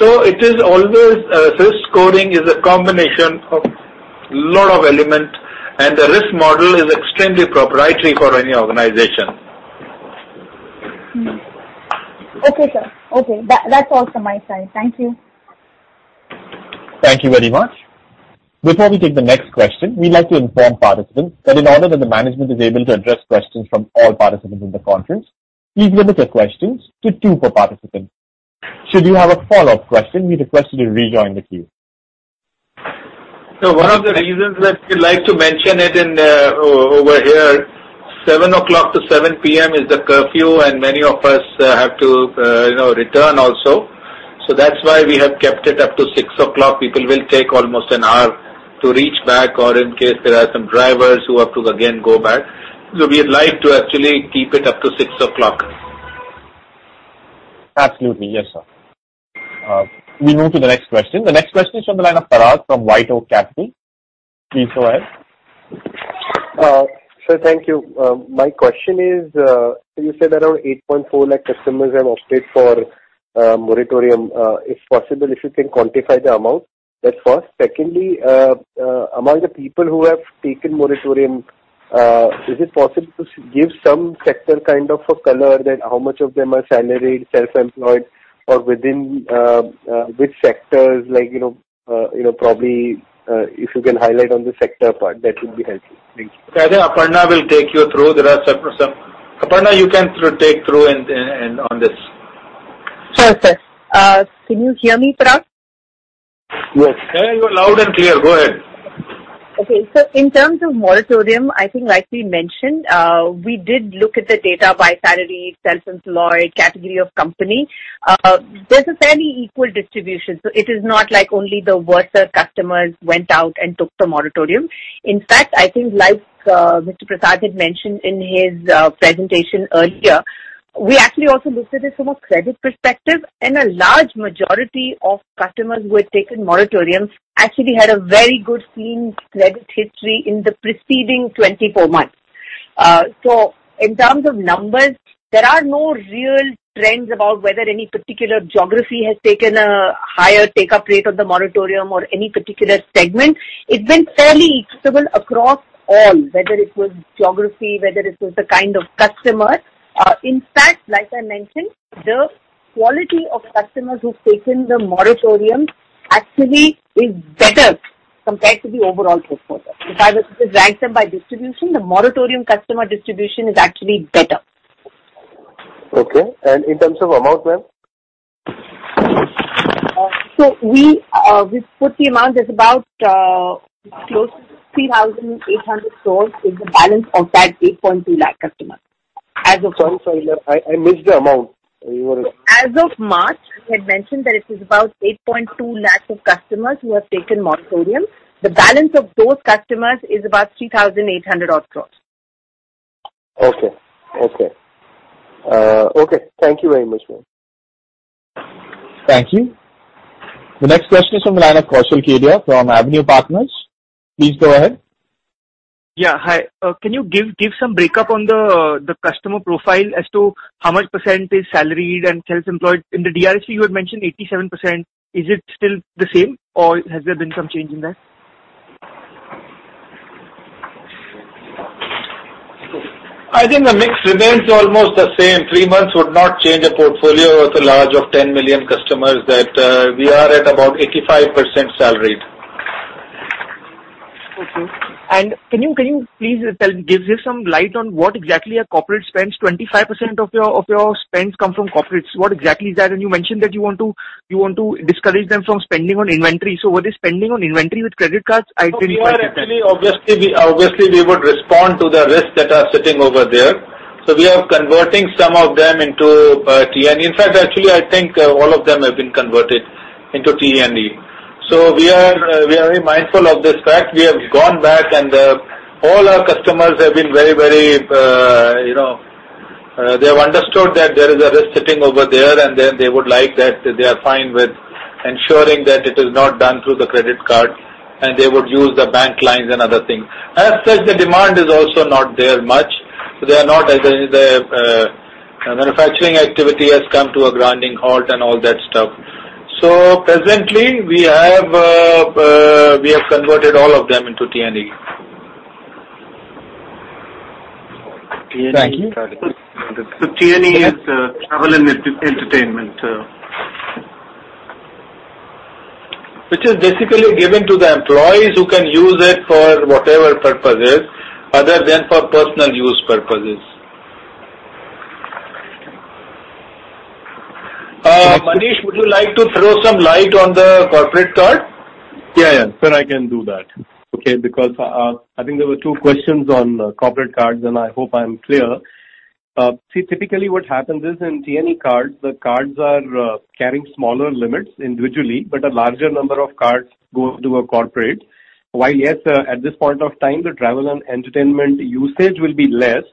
Risk scoring is a combination of lot of elements, and the risk model is extremely proprietary for any organization. Okay, sir. Okay. That's all from my side. Thank you. Thank you very much. Before we take the next question, we'd like to inform participants that in order that the management is able to address questions from all participants in the conference, please limit your questions to two per participant. Should you have a follow-up question, we request you to rejoin the queue. One of the reasons that we like to mention it over here, 7:00 A.M. to 7:00 P.M. is the curfew, and many of us have to return also. That's why we have kept it up to 6:00 P.M.. People will take almost an hour to reach back, or in case there are some drivers who have to again go back. We would like to actually keep it up to 6:00 P.M. Absolutely. Yes, sir. We move to the next question. The next question is from the line of [Parag] from White Oak Capital. Please go ahead. Sir, thank you. My question is, you said around 8.4 lakh customers have opted for moratorium. If possible, if you can quantify the amount, that's first. Secondly, among the people who have taken moratorium, is it possible to give some sector kind of a color that how much of them are salaried, self-employed, or within which sectors? Probably if you can highlight on the sector part, that would be helpful. Thank you. I think Aparna will take you through. Aparna, you can take through on this. Sure, sir. Can you hear me, Parag? Yes. You're loud and clear. Go ahead. In terms of moratorium, I think like we mentioned, we did look at the data by salary, self-employed, category of company. There's a fairly equal distribution. It is not like only the worser customers went out and took the moratorium. In fact, I think like Mr. Prasad had mentioned in his presentation earlier, we actually also looked at it from a credit perspective. A large majority of customers who had taken moratoriums actually had a very good clean credit history in the preceding 24 months. In terms of numbers, there are no real trends about whether any particular geography has taken a higher take-up rate of the moratorium or any particular segment. It's been fairly equitable across all, whether it was geography, whether it was the kind of customer. In fact, like I mentioned, the quality of customers who've taken the moratorium actually is better compared to the overall portfolio. If I were to rank them by distribution, the moratorium customer distribution is actually better. Okay. In terms of amount, ma'am? We put the amount as about close to 3,800 crore is the balance of that 8.2 lakh customers. Sorry, I missed the amount. As of March, we had mentioned that it is about 8.2 lakhs of customers who have taken moratorium. The balance of those customers is about 3,800 odd crores. Okay. Thank you very much, ma'am. Thank you. The next question is from the line of Kaushal Kedia from [Wallfort PMS]. Please go ahead. Yeah, hi. Can you give some breakup on the customer profile as to how much percentage is salaried and self-employed? In the DRHP, you had mentioned 87%. Is it still the same, or has there been some change in that? I think the mix remains almost the same. Three months would not change a portfolio with a large of 10 million customers that we are at about 85% salaried. Okay. Can you please give some light on what exactly are corporate spends?. 25% of your spends come from corporates. What exactly is that? You mentioned that you want to discourage them from spending on inventory. What is spending on inventory with credit cards? We are actually, obviously we would respond to the risks that are sitting over there. We are converting some of them into T&E. In fact, actually, I think all of them have been converted into T&E. We are very mindful of this fact. We have gone back and all our customers, they have understood that there is a risk sitting over there, and then they would like that they are fine with ensuring that it is not done through the credit card, and they would use the bank lines and other things. As such, the demand is also not there much. Their manufacturing activity has come to a grinding halt and all that stuff. Presently, we have converted all of them into T&E. Thank you. T&E is Travel and Entertainment, sir. Which is basically given to the employees who can use it for whatever purposes other than for personal use purposes. Manish, would you like to throw some light on the corporate card? Yeah. Sir, I can do that. Okay. I think there were two questions on corporate cards, and I hope I'm clear. See, typically what happens is in T&E cards, the cards are carrying smaller limits individually, but a larger number of cards go to a corporate. Yes, at this point of time, the travel and entertainment usage will be less,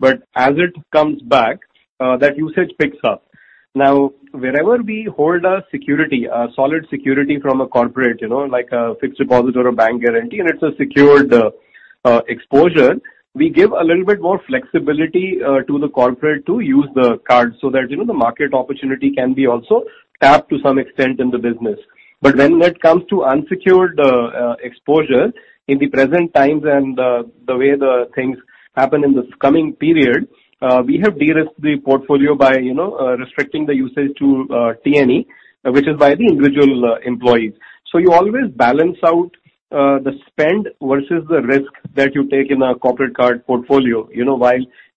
but as it comes back, that usage picks up. Wherever we hold a security, a solid security from a corporate, like a fixed deposit or a bank guarantee, and it's a secured exposure, we give a little bit more flexibility to the corporate to use the card so that the market opportunity can be also tapped to some extent in the business. When that comes to unsecured exposure in the present times and the way the things happen in this coming period, we have de-risked the portfolio by restricting the usage to T&E, which is by the individual employees. You always balance out the spend versus the risk that you take in a corporate card portfolio.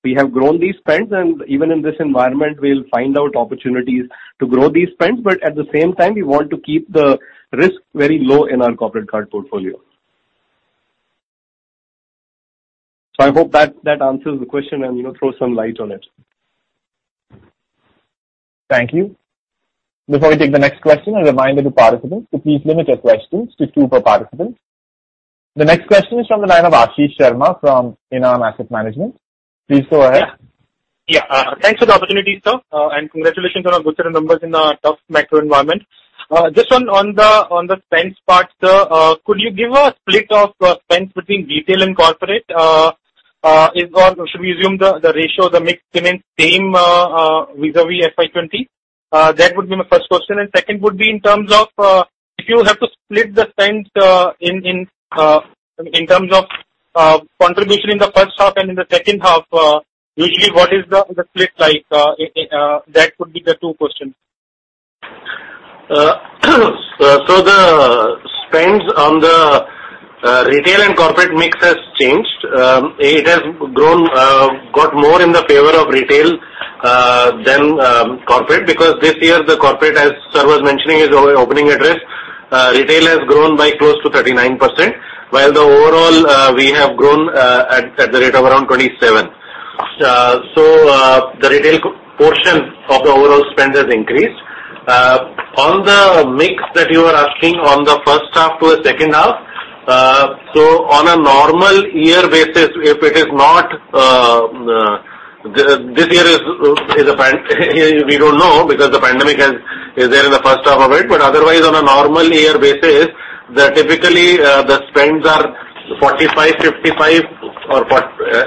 We have grown these spends, and even in this environment, we'll find out opportunities to grow these spends, but at the same time, we want to keep the risk very low in our corporate card portfolio. I hope that answers the question and throws some light on it.. Thank you. Before we take the next question, a reminder to participants to please limit your questions to two per participant. The next question is from the line of Ashish Sharma from Enam Asset Management. Please go ahead. Yeah. Thanks for the opportunity, sir. Congratulations on a good set of numbers in a tough macro environment. Just on the spends part, sir, could you give a split of spends between retail and corporate? Should we assume the ratio, the mix remains same vis-à-vis FY 2020? That would be my first question. Second would be in terms of if you have to split the spends in terms of contribution in the first half and in the second half, usually what is the split like? That would be the two questions. The spends on the retail and corporate mix has changed. It has got more in the favor of retail. Corporate because this year the corporate, as sir was mentioning in his opening address, retail has grown by close to 39%, while overall we have grown at the rate of around 27%. The retail portion of the overall spend has increased. On the mix that you are asking on the first half to the second half. On a normal year basis, this year we don't know because the pandemic is there in the first half of it, but otherwise on a normal year basis, typically the spends are 45/55 or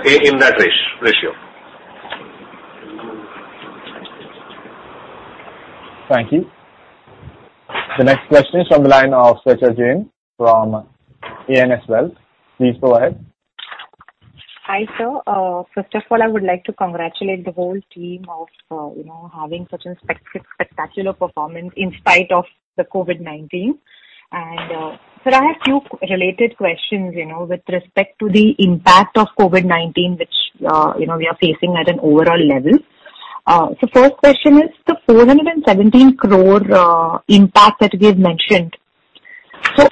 in that ratio. Thank you. The next question is from the line of Swechha Jain from ANSA Wealth. Please go ahead. Hi, sir. First of all, I would like to congratulate the whole team of having such a spectacular performance in spite of the COVID-19. Sir, I have two related questions with respect to the impact of COVID-19, which we are facing at an overall level. First question is the 417 crore impact that we have mentioned.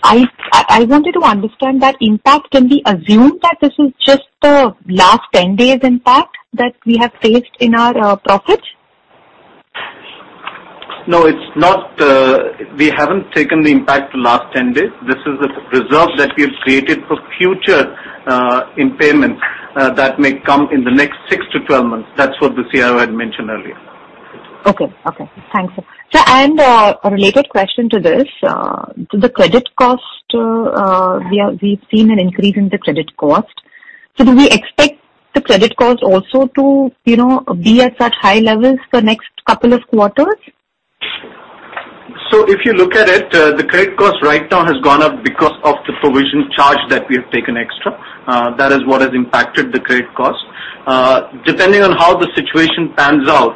I wanted to understand that impact. Can we assume that this is just the last 10 days impact that we have faced in our profits? No, it's not. We haven't taken the impact last 10 days. This is a reserve that we have created for future impairments that may come in the next 6 to 12 months. That's what the CRO had mentioned earlier. Okay. Thanks, sir. Sir, a related question to this. We have seen an increase in the credit cost. Do we expect the credit cost also to be at such high levels for next couple of quarters? If you look at it, the credit cost right now has gone up because of the provision charge that we have taken extra. That is what has impacted the credit cost. Depending on how the situation pans out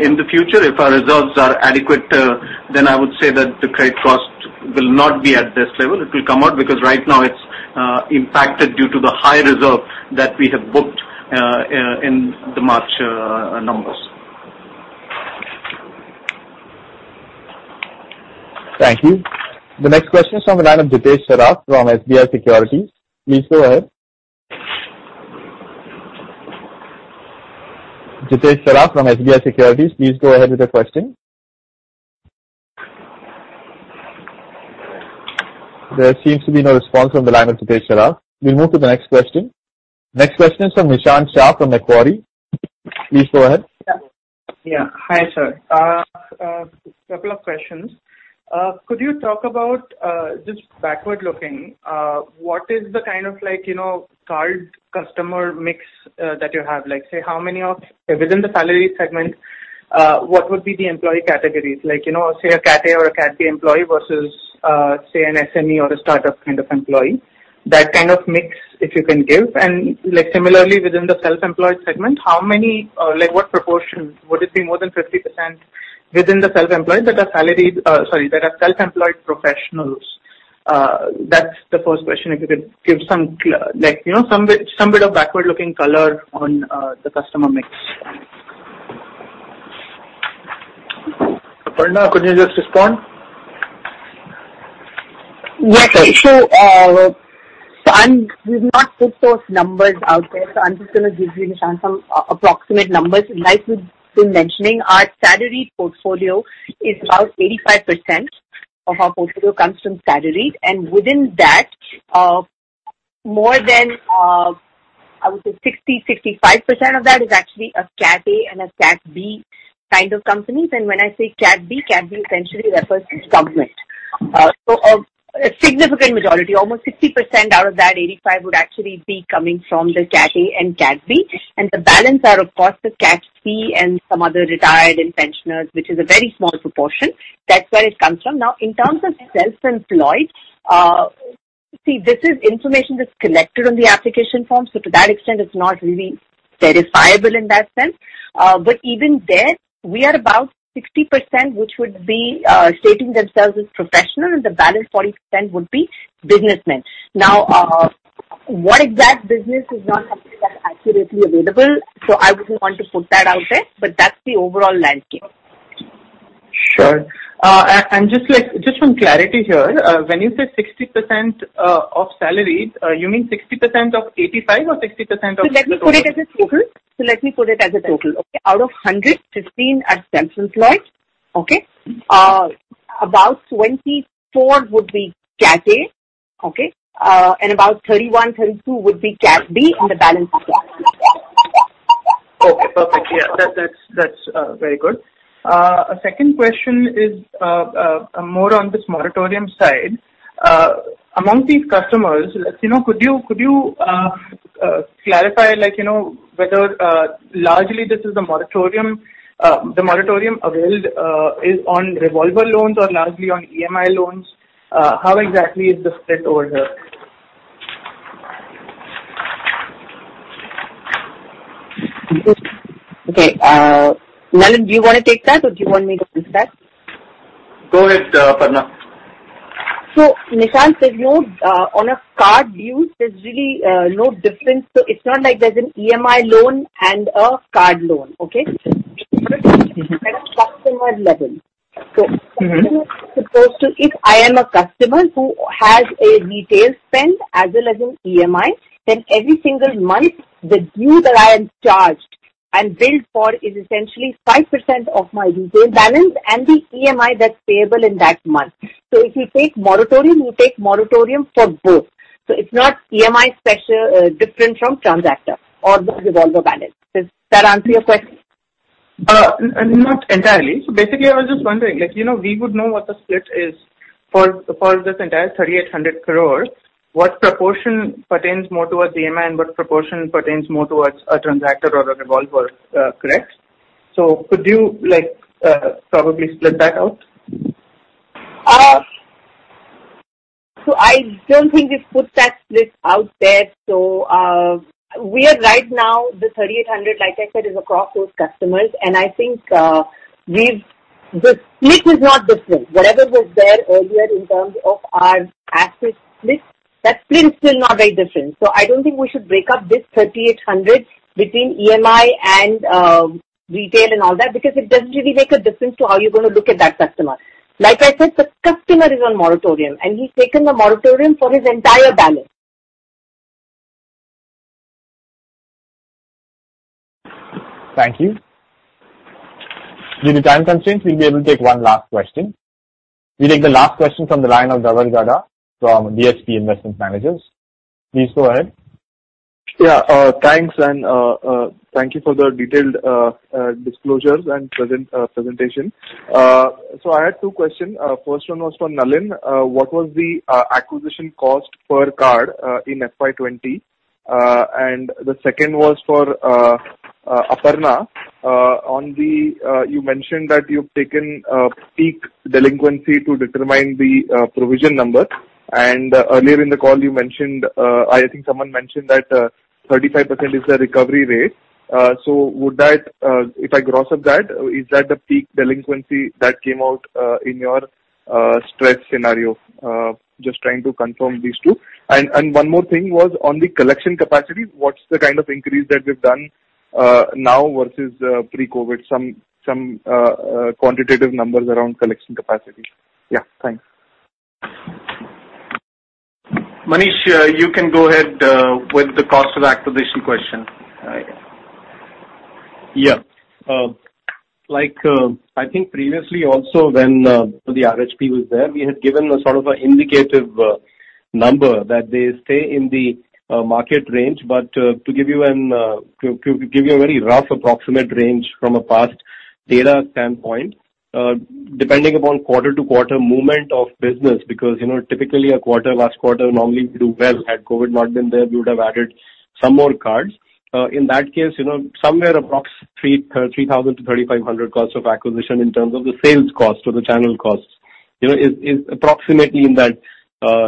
in the future, if our reserves are adequate, then I would say that the credit cost will not be at this level. It will come out because right now it's impacted due to the high reserve that we have booked in the March numbers. Thank you. The next question is from the line of [Jitesh Saraf] from SBI Securities. Please go ahead. [Jitesh Saraf] from SBI Securities. Please go ahead with your question. There seems to be no response from the line of [Jitesh Saraf]. We'll move to the next question. Next question is from Nishant Shah from Macquarie. Please go ahead. Yeah. Hi, sir. Couple of questions. Could you talk about just backward-looking what is the kind of card customer mix that you have? Say within the salary segment what would be the employee categories? Say a Cat A or a Cat B employee versus say an SME or a startup kind of employee. That kind of mix if you can give. Similarly, within the self-employed segment, what proportion? Would it be more than 50% within the self-employed that are self-employed professionals? That's the first question. If you could give some bit of backward-looking color on the customer mix. Aparna, could you just respond? Yeah, sir. We've not put those numbers out there. I'm just going to give you, Nishant, some approximate numbers. Like we've been mentioning, our salaried portfolio is about 85% of our portfolio comes from salaried, and within that more than I would say 60%, 65% of that is actually a Cat A and a Cat B kind of companies. When I say Cat B, Cat B essentially represents government. A significant majority, almost 60% out of that 85% would actually be coming from the Cat A and Cat B, and the balance are of course the Cat C and some other retired and pensioners, which is a very small proportion. That's where it comes from. In terms of self-employed, see this is information that's collected on the application form. To that extent it's not really verifiable in that sense. Even there we are about 60%, which would be stating themselves as professional, and the balance 40% would be businessmen. What exact business is not something that's accurately available, so I wouldn't want to put that out there, but that's the overall landscape. Sure. Just one clarity here. When you say 60% of salaries you mean 60% of 85% or 60% of the total? Let me put it as a total. Out of 100, 15 are self-employed. About 24 would be Cat A. Okay. About 31, 32 would be Cat B, and the balance are Cat C. Okay, perfect. Yeah, that's very good. Second question is more on this moratorium side. Among these customers could you clarify whether largely the moratorium availed is on revolver loans or largely on EMI loans? How exactly is the split over here? Okay. Nalin, do you want to take that or do you want me to take that? Go ahead, Aparna. Nishant, on a card due there's really no difference. It's not like there's an EMI loan and a card loan. Okay? At a customer level. Mm-hmm. As opposed to if I am a customer who has a retail spend as well as an EMI, then every single month, the due that I am charged and billed for is essentially 5% of my retail balance and the EMI that's payable in that month. If you take moratorium, you take moratorium for both. It's not EMI different from transactor or the revolver balance. Does that answer your question? Not entirely. Basically, I was just wondering. We would know what the split is for this entire 3,800 crores. What proportion pertains more towards EMI and what proportion pertains more towards a transactor or a revolver? Correct. Could you probably split that out? I don't think we've put that split out there. Right now the 3,800, like I said, is across those customers, and I think the split is not different. Whatever was there earlier in terms of our asset split, that split is still not very different. I don't think we should break up this 3,800 between EMI and retail and all that because it doesn't really make a difference to how you're going to look at that customer. Like I said, the customer is on moratorium, and he's taken the moratorium for his entire balance Thank you. Due to time constraints, we'll be able to take one last question. We'll take the last question from the line of Dhaval Gada from DSP Investment Managers. Please go ahead. Thanks, and thank you for the detailed disclosures and presentation. I had two questions. First one was for Nalin. What was the acquisition cost per card in FY 2020? The second was for Aparna. You mentioned that you've taken peak delinquency to determine the provision number, and earlier in the call, I think someone mentioned that 35% is the recovery rate. If I gross up that, is that the peak delinquency that came out in your stress scenario? Just trying to confirm these two. One more thing was on the collection capacity. What's the kind of increase that we've done now versus pre-COVID-19? Some quantitative numbers around collection capacity. Thanks. Manish, you can go ahead with the cost of acquisition question. Yeah. I think previously also when the RHP was there, we had given a sort of indicative number that they stay in the market range. To give you a very rough approximate range from a past data standpoint, depending upon quarter-to-quarter movement of business because typically a quarter, last quarter normally we do well. Had COVID not been there, we would have added some more cards. In that case, somewhere approximately 3,000-3,500 cost of acquisition in terms of the sales cost or the channel cost is approximately in that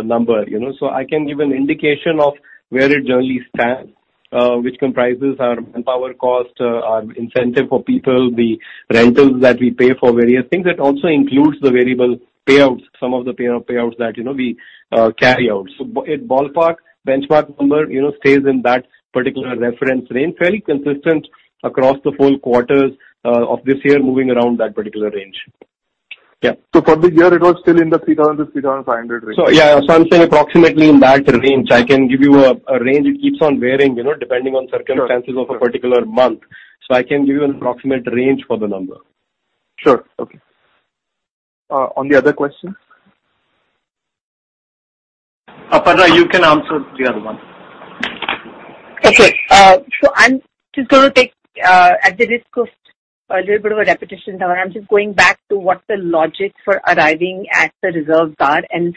number. I can give an indication of where it generally stands which comprises our manpower cost, our incentive for people, the rentals that we pay for various things. That also includes the variable payouts, some of the payouts that we carry out. A ballpark benchmark number stays in that particular reference range, fairly consistent across the whole quarters of this year, moving around that particular range. For the year, it was still in the 3,000-3,500 range? Yeah. I'm saying approximately in that range. I can give you a range. It keeps on varying depending on circumstances of a particular month. I can give you an approximate range for the number. Sure. Okay. On the other question? Aparna, you can answer the other one. Okay. I'm just going to take, at the risk of a little bit of a repetition, Dhaval, I'm just going back to what the logic for arriving at the reserve card and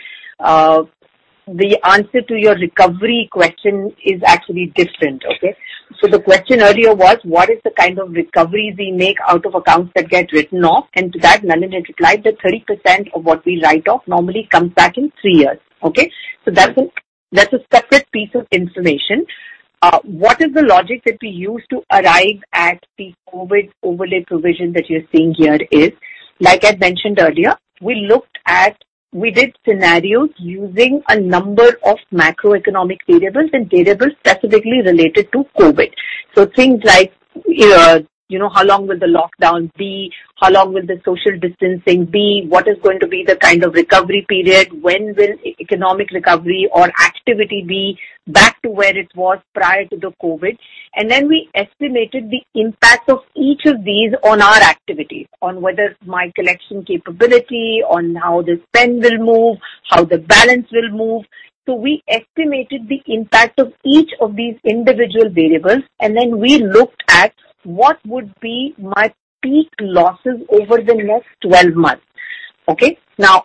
the answer to your recovery question is actually different. Okay. The question earlier was what is the kind of recoveries we make out of accounts that get written off, and to that, Nalin had replied that 30% of what we write off normally comes back in three years. Okay. That's a separate piece of information. What is the logic that we use to arrive at the COVID overlay provision that you're seeing here is, like I'd mentioned earlier, we did scenarios using a number of macroeconomic variables and variables specifically related to COVID. Things like how long will the lockdown be, how long will the social distancing be, what is going to be the kind of recovery period, when will economic recovery or activity be back to where it was prior to the COVID. Then we estimated the impact of each of these on our activities, on whether my collection capability, on how the spend will move, how the balance will move. We estimated the impact of each of these individual variables, and then we looked at what would be my peak losses over the next 12 months. Okay.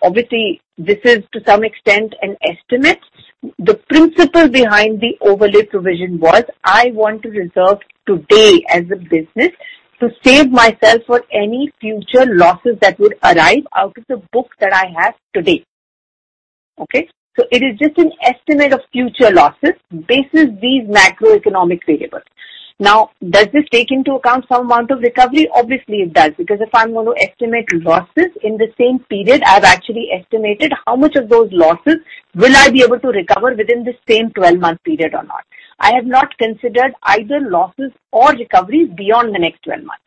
Obviously, this is to some extent an estimate. The principle behind the overlay provision was, I want to reserve today as a business to save myself for any future losses that would arise out of the book that I have today. Okay. It is just an estimate of future losses basis these macroeconomic variables. Does this take into account some amount of recovery? Obviously, it does. If I'm going to estimate losses in the same period, I've actually estimated how much of those losses will I be able to recover within the same 12-month period or not. I have not considered either losses or recoveries beyond the next 12 months.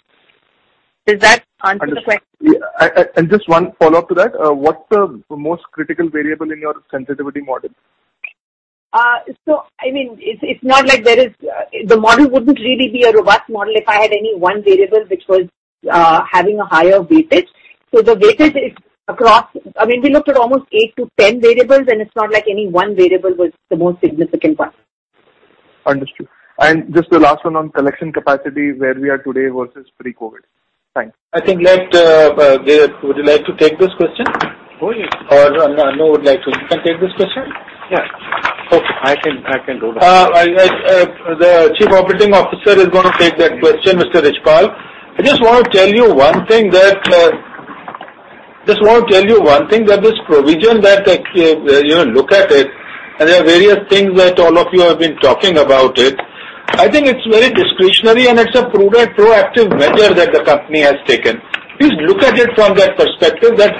Does that answer the question? Understood. Just one follow-up to that. What's the most critical variable in your sensitivity model? The model wouldn't really be a robust model if I had any one variable which was having a higher weightage. The weightage is we looked at almost 8-10 variables, and it's not like any one variable was the most significant one. Understood. Just the last one on collection capacity, where we are today versus pre-COVID. Thanks. I think, Richhpal would you like to take this question? Oh, yes. Anu would like to. You can take this question? Yeah. Okay. I can do that. The chief operating officer is going to take that question, Mr. Richhpal. I just want to tell you one thing, that this provision that you look at it, and there are various things that all of you have been talking about it. I think it's very discretionary, and it's a prudent, proactive measure that the company has taken. Please look at it from that perspective, that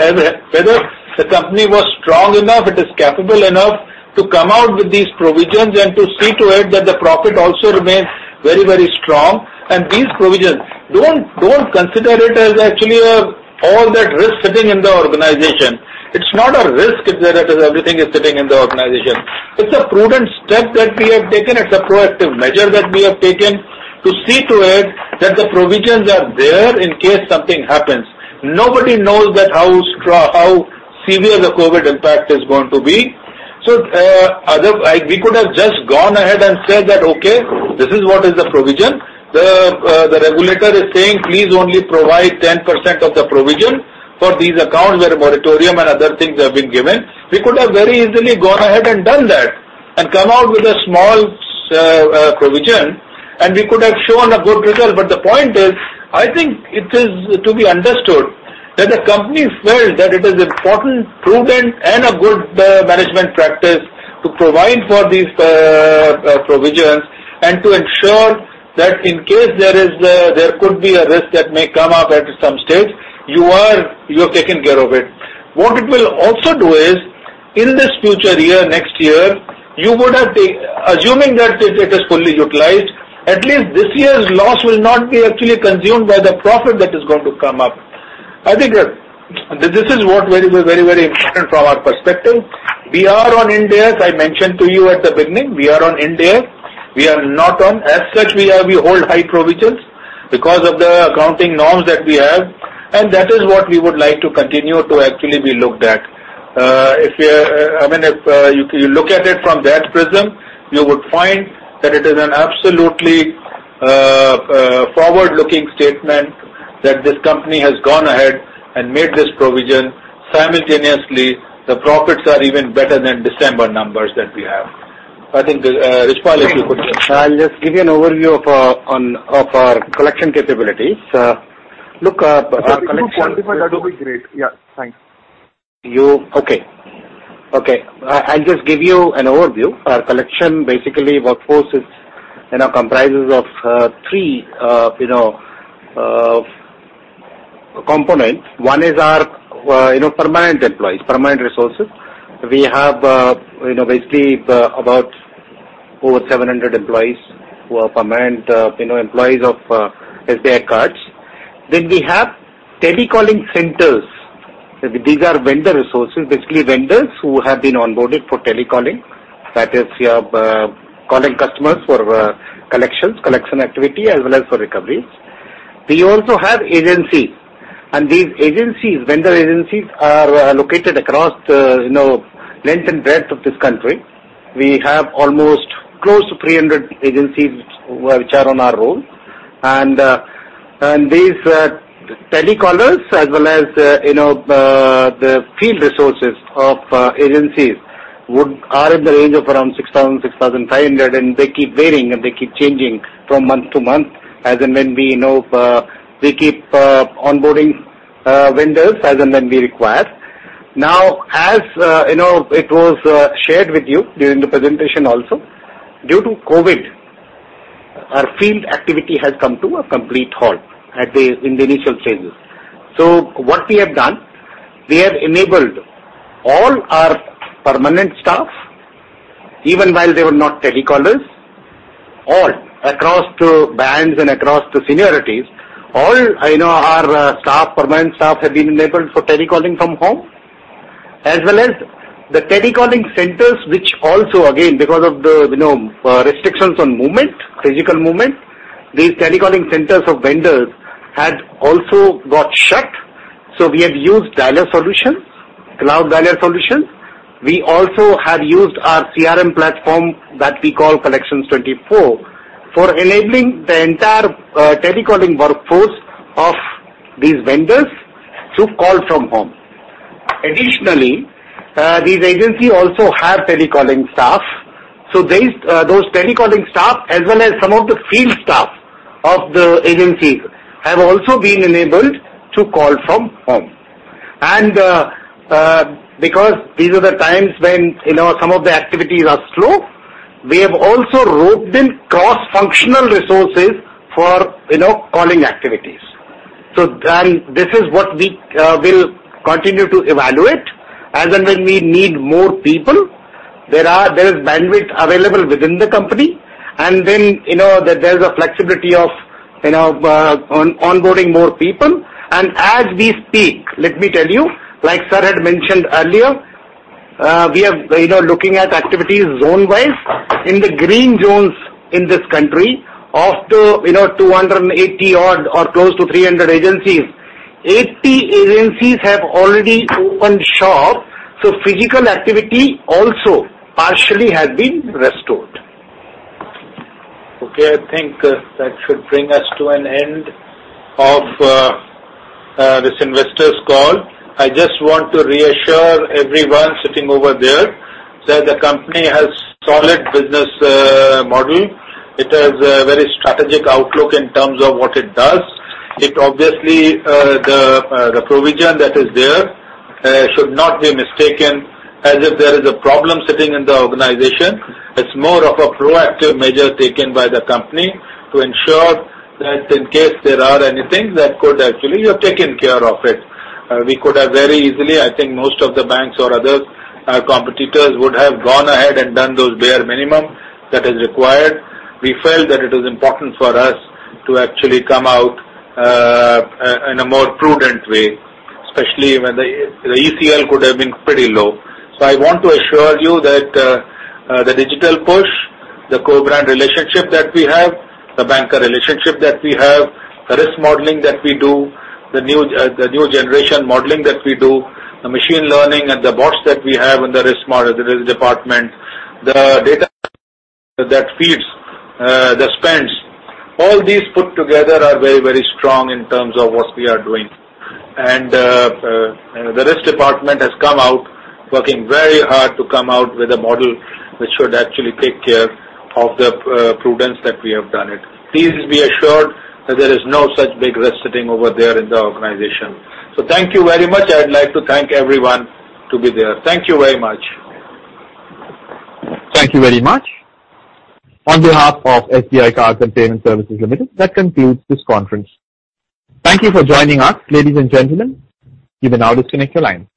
whether the company was strong enough, it is capable enough to come out with these provisions and to see to it that the profit also remains very strong. These provisions, don't consider it as actually all that risk sitting in the organization. It's not a risk if everything is sitting in the organization. It's a prudent step that we have taken. It's a proactive measure that we have taken to see to it that the provisions are there in case something happens. Nobody knows how severe the COVID-19 impact is going to be. We could have just gone ahead and said that, this is what is the provision. The regulator is saying please only provide 10% of the provision for these accounts where moratorium and other things have been given. We could have very easily gone ahead and done that and come out with a small provision, and we could have shown a good result. The point is, I think it is to be understood that the company felt that it is important, prudent, and a good management practice to provide for these provisions and to ensure that in case there could be a risk that may come up at some stage, you have taken care of it. What it will also do is, in this future year, next year, assuming that it is fully utilized, at least this year's loss will not be actually consumed by the profit that is going to come up. I think that this is what is very important from our perspective. We are on Ind AS, as I mentioned to you at the beginning. We are on Ind AS. As such, we hold high provisions because of the accounting norms that we have, and that is what we would like to continue to actually be looked at. If you look at it from that prism, you would find that it is an absolutely forward-looking statement that this company has gone ahead and made this provision. Simultaneously, the profits are even better than December numbers that we have. I think Richhpal, if you could— I'll just give you an overview of our collection capabilities. If you quantify, that would be great. Yeah, thanks. Okay. I'll just give you an overview. Our collection, basically, workforce comprises of three components. One is our permanent employees, permanent resources. We have basically about over 700 employees who are permanent employees of SBI Card. We have telecalling centers. These are vendor resources, basically vendors who have been onboarded for telecalling. That is, calling customers for collections, collection activity, as well as for recoveries. We also have agencies, and these agencies, vendor agencies, are located across the length and breadth of this country. We have almost close to 300 agencies which are on our roll. These telecallers, as well as the field resources of agencies, are in the range of around 6,000-6,500, and they keep varying and they keep changing from month to month as and when we keep onboarding vendors as and when we require. Now, as it was shared with you during the presentation also, due to COVID, our field activity has come to a complete halt in the initial phases. What we have done, we have enabled all our permanent staff, even while they were not telecallers, all across the bands and across the seniorities. All our permanent staff have been enabled for telecalling from home. As well as the telecalling centers, which also, again, because of the restrictions on movement, physical movement, these telecalling centers of vendors had also got shut. We have used dialer solutions, cloud dialer solutions. We also have used our CRM platform that we call Collections24 for enabling the entire telecalling workforce of these vendors to call from home. Additionally, these agencies also have telecalling staff. Those telecalling staff, as well as some of the field staff of the agencies, have also been enabled to call from home. Because these are the times when some of the activities are slow, we have also roped in cross-functional resources for calling activities. This is what we will continue to evaluate as and when we need more people. There is bandwidth available within the company, and then there's a flexibility of onboarding more people. As we speak, let me tell you, like sir had mentioned earlier, we are looking at activities zone-wise. In the green zones in this country, of the 280 odd or close to 300 agencies, 80 agencies have already opened shop, so physical activity also partially has been restored. Okay. I think that should bring us to an end of this investors call. I just want to reassure everyone sitting over there that the company has solid business model. It has a very strategic outlook in terms of what it does. Obviously, the provision that is there should not be mistaken as if there is a problem sitting in the organization. It's more of a proactive measure taken by the company to ensure that in case there are anything that could actually, we have taken care of it. We could have very easily, I think most of the banks or other competitors would have gone ahead and done those bare minimum that is required. We felt that it was important for us to actually come out in a more prudent way, especially when the ECL could have been pretty low. I want to assure you that the digital push, the co-brand relationship that we have, the banca relationship that we have, the risk modeling that we do, the new generation modeling that we do, the machine learning and the bots that we have in the risk department, the data that feeds the spends, all these put together are very strong in terms of what we are doing. The risk department has come out working very hard to come out with a model which should actually take care of the prudence that we have done it. Please be assured that there is no such big risk sitting over there in the organization. Thank you very much. I'd like to thank everyone to be there. Thank you very much. Thank you very much. On behalf of SBI Cards and Payment Services Limited, that concludes this conference. Thank you for joining us, ladies and gentlemen. You may now disconnect your line.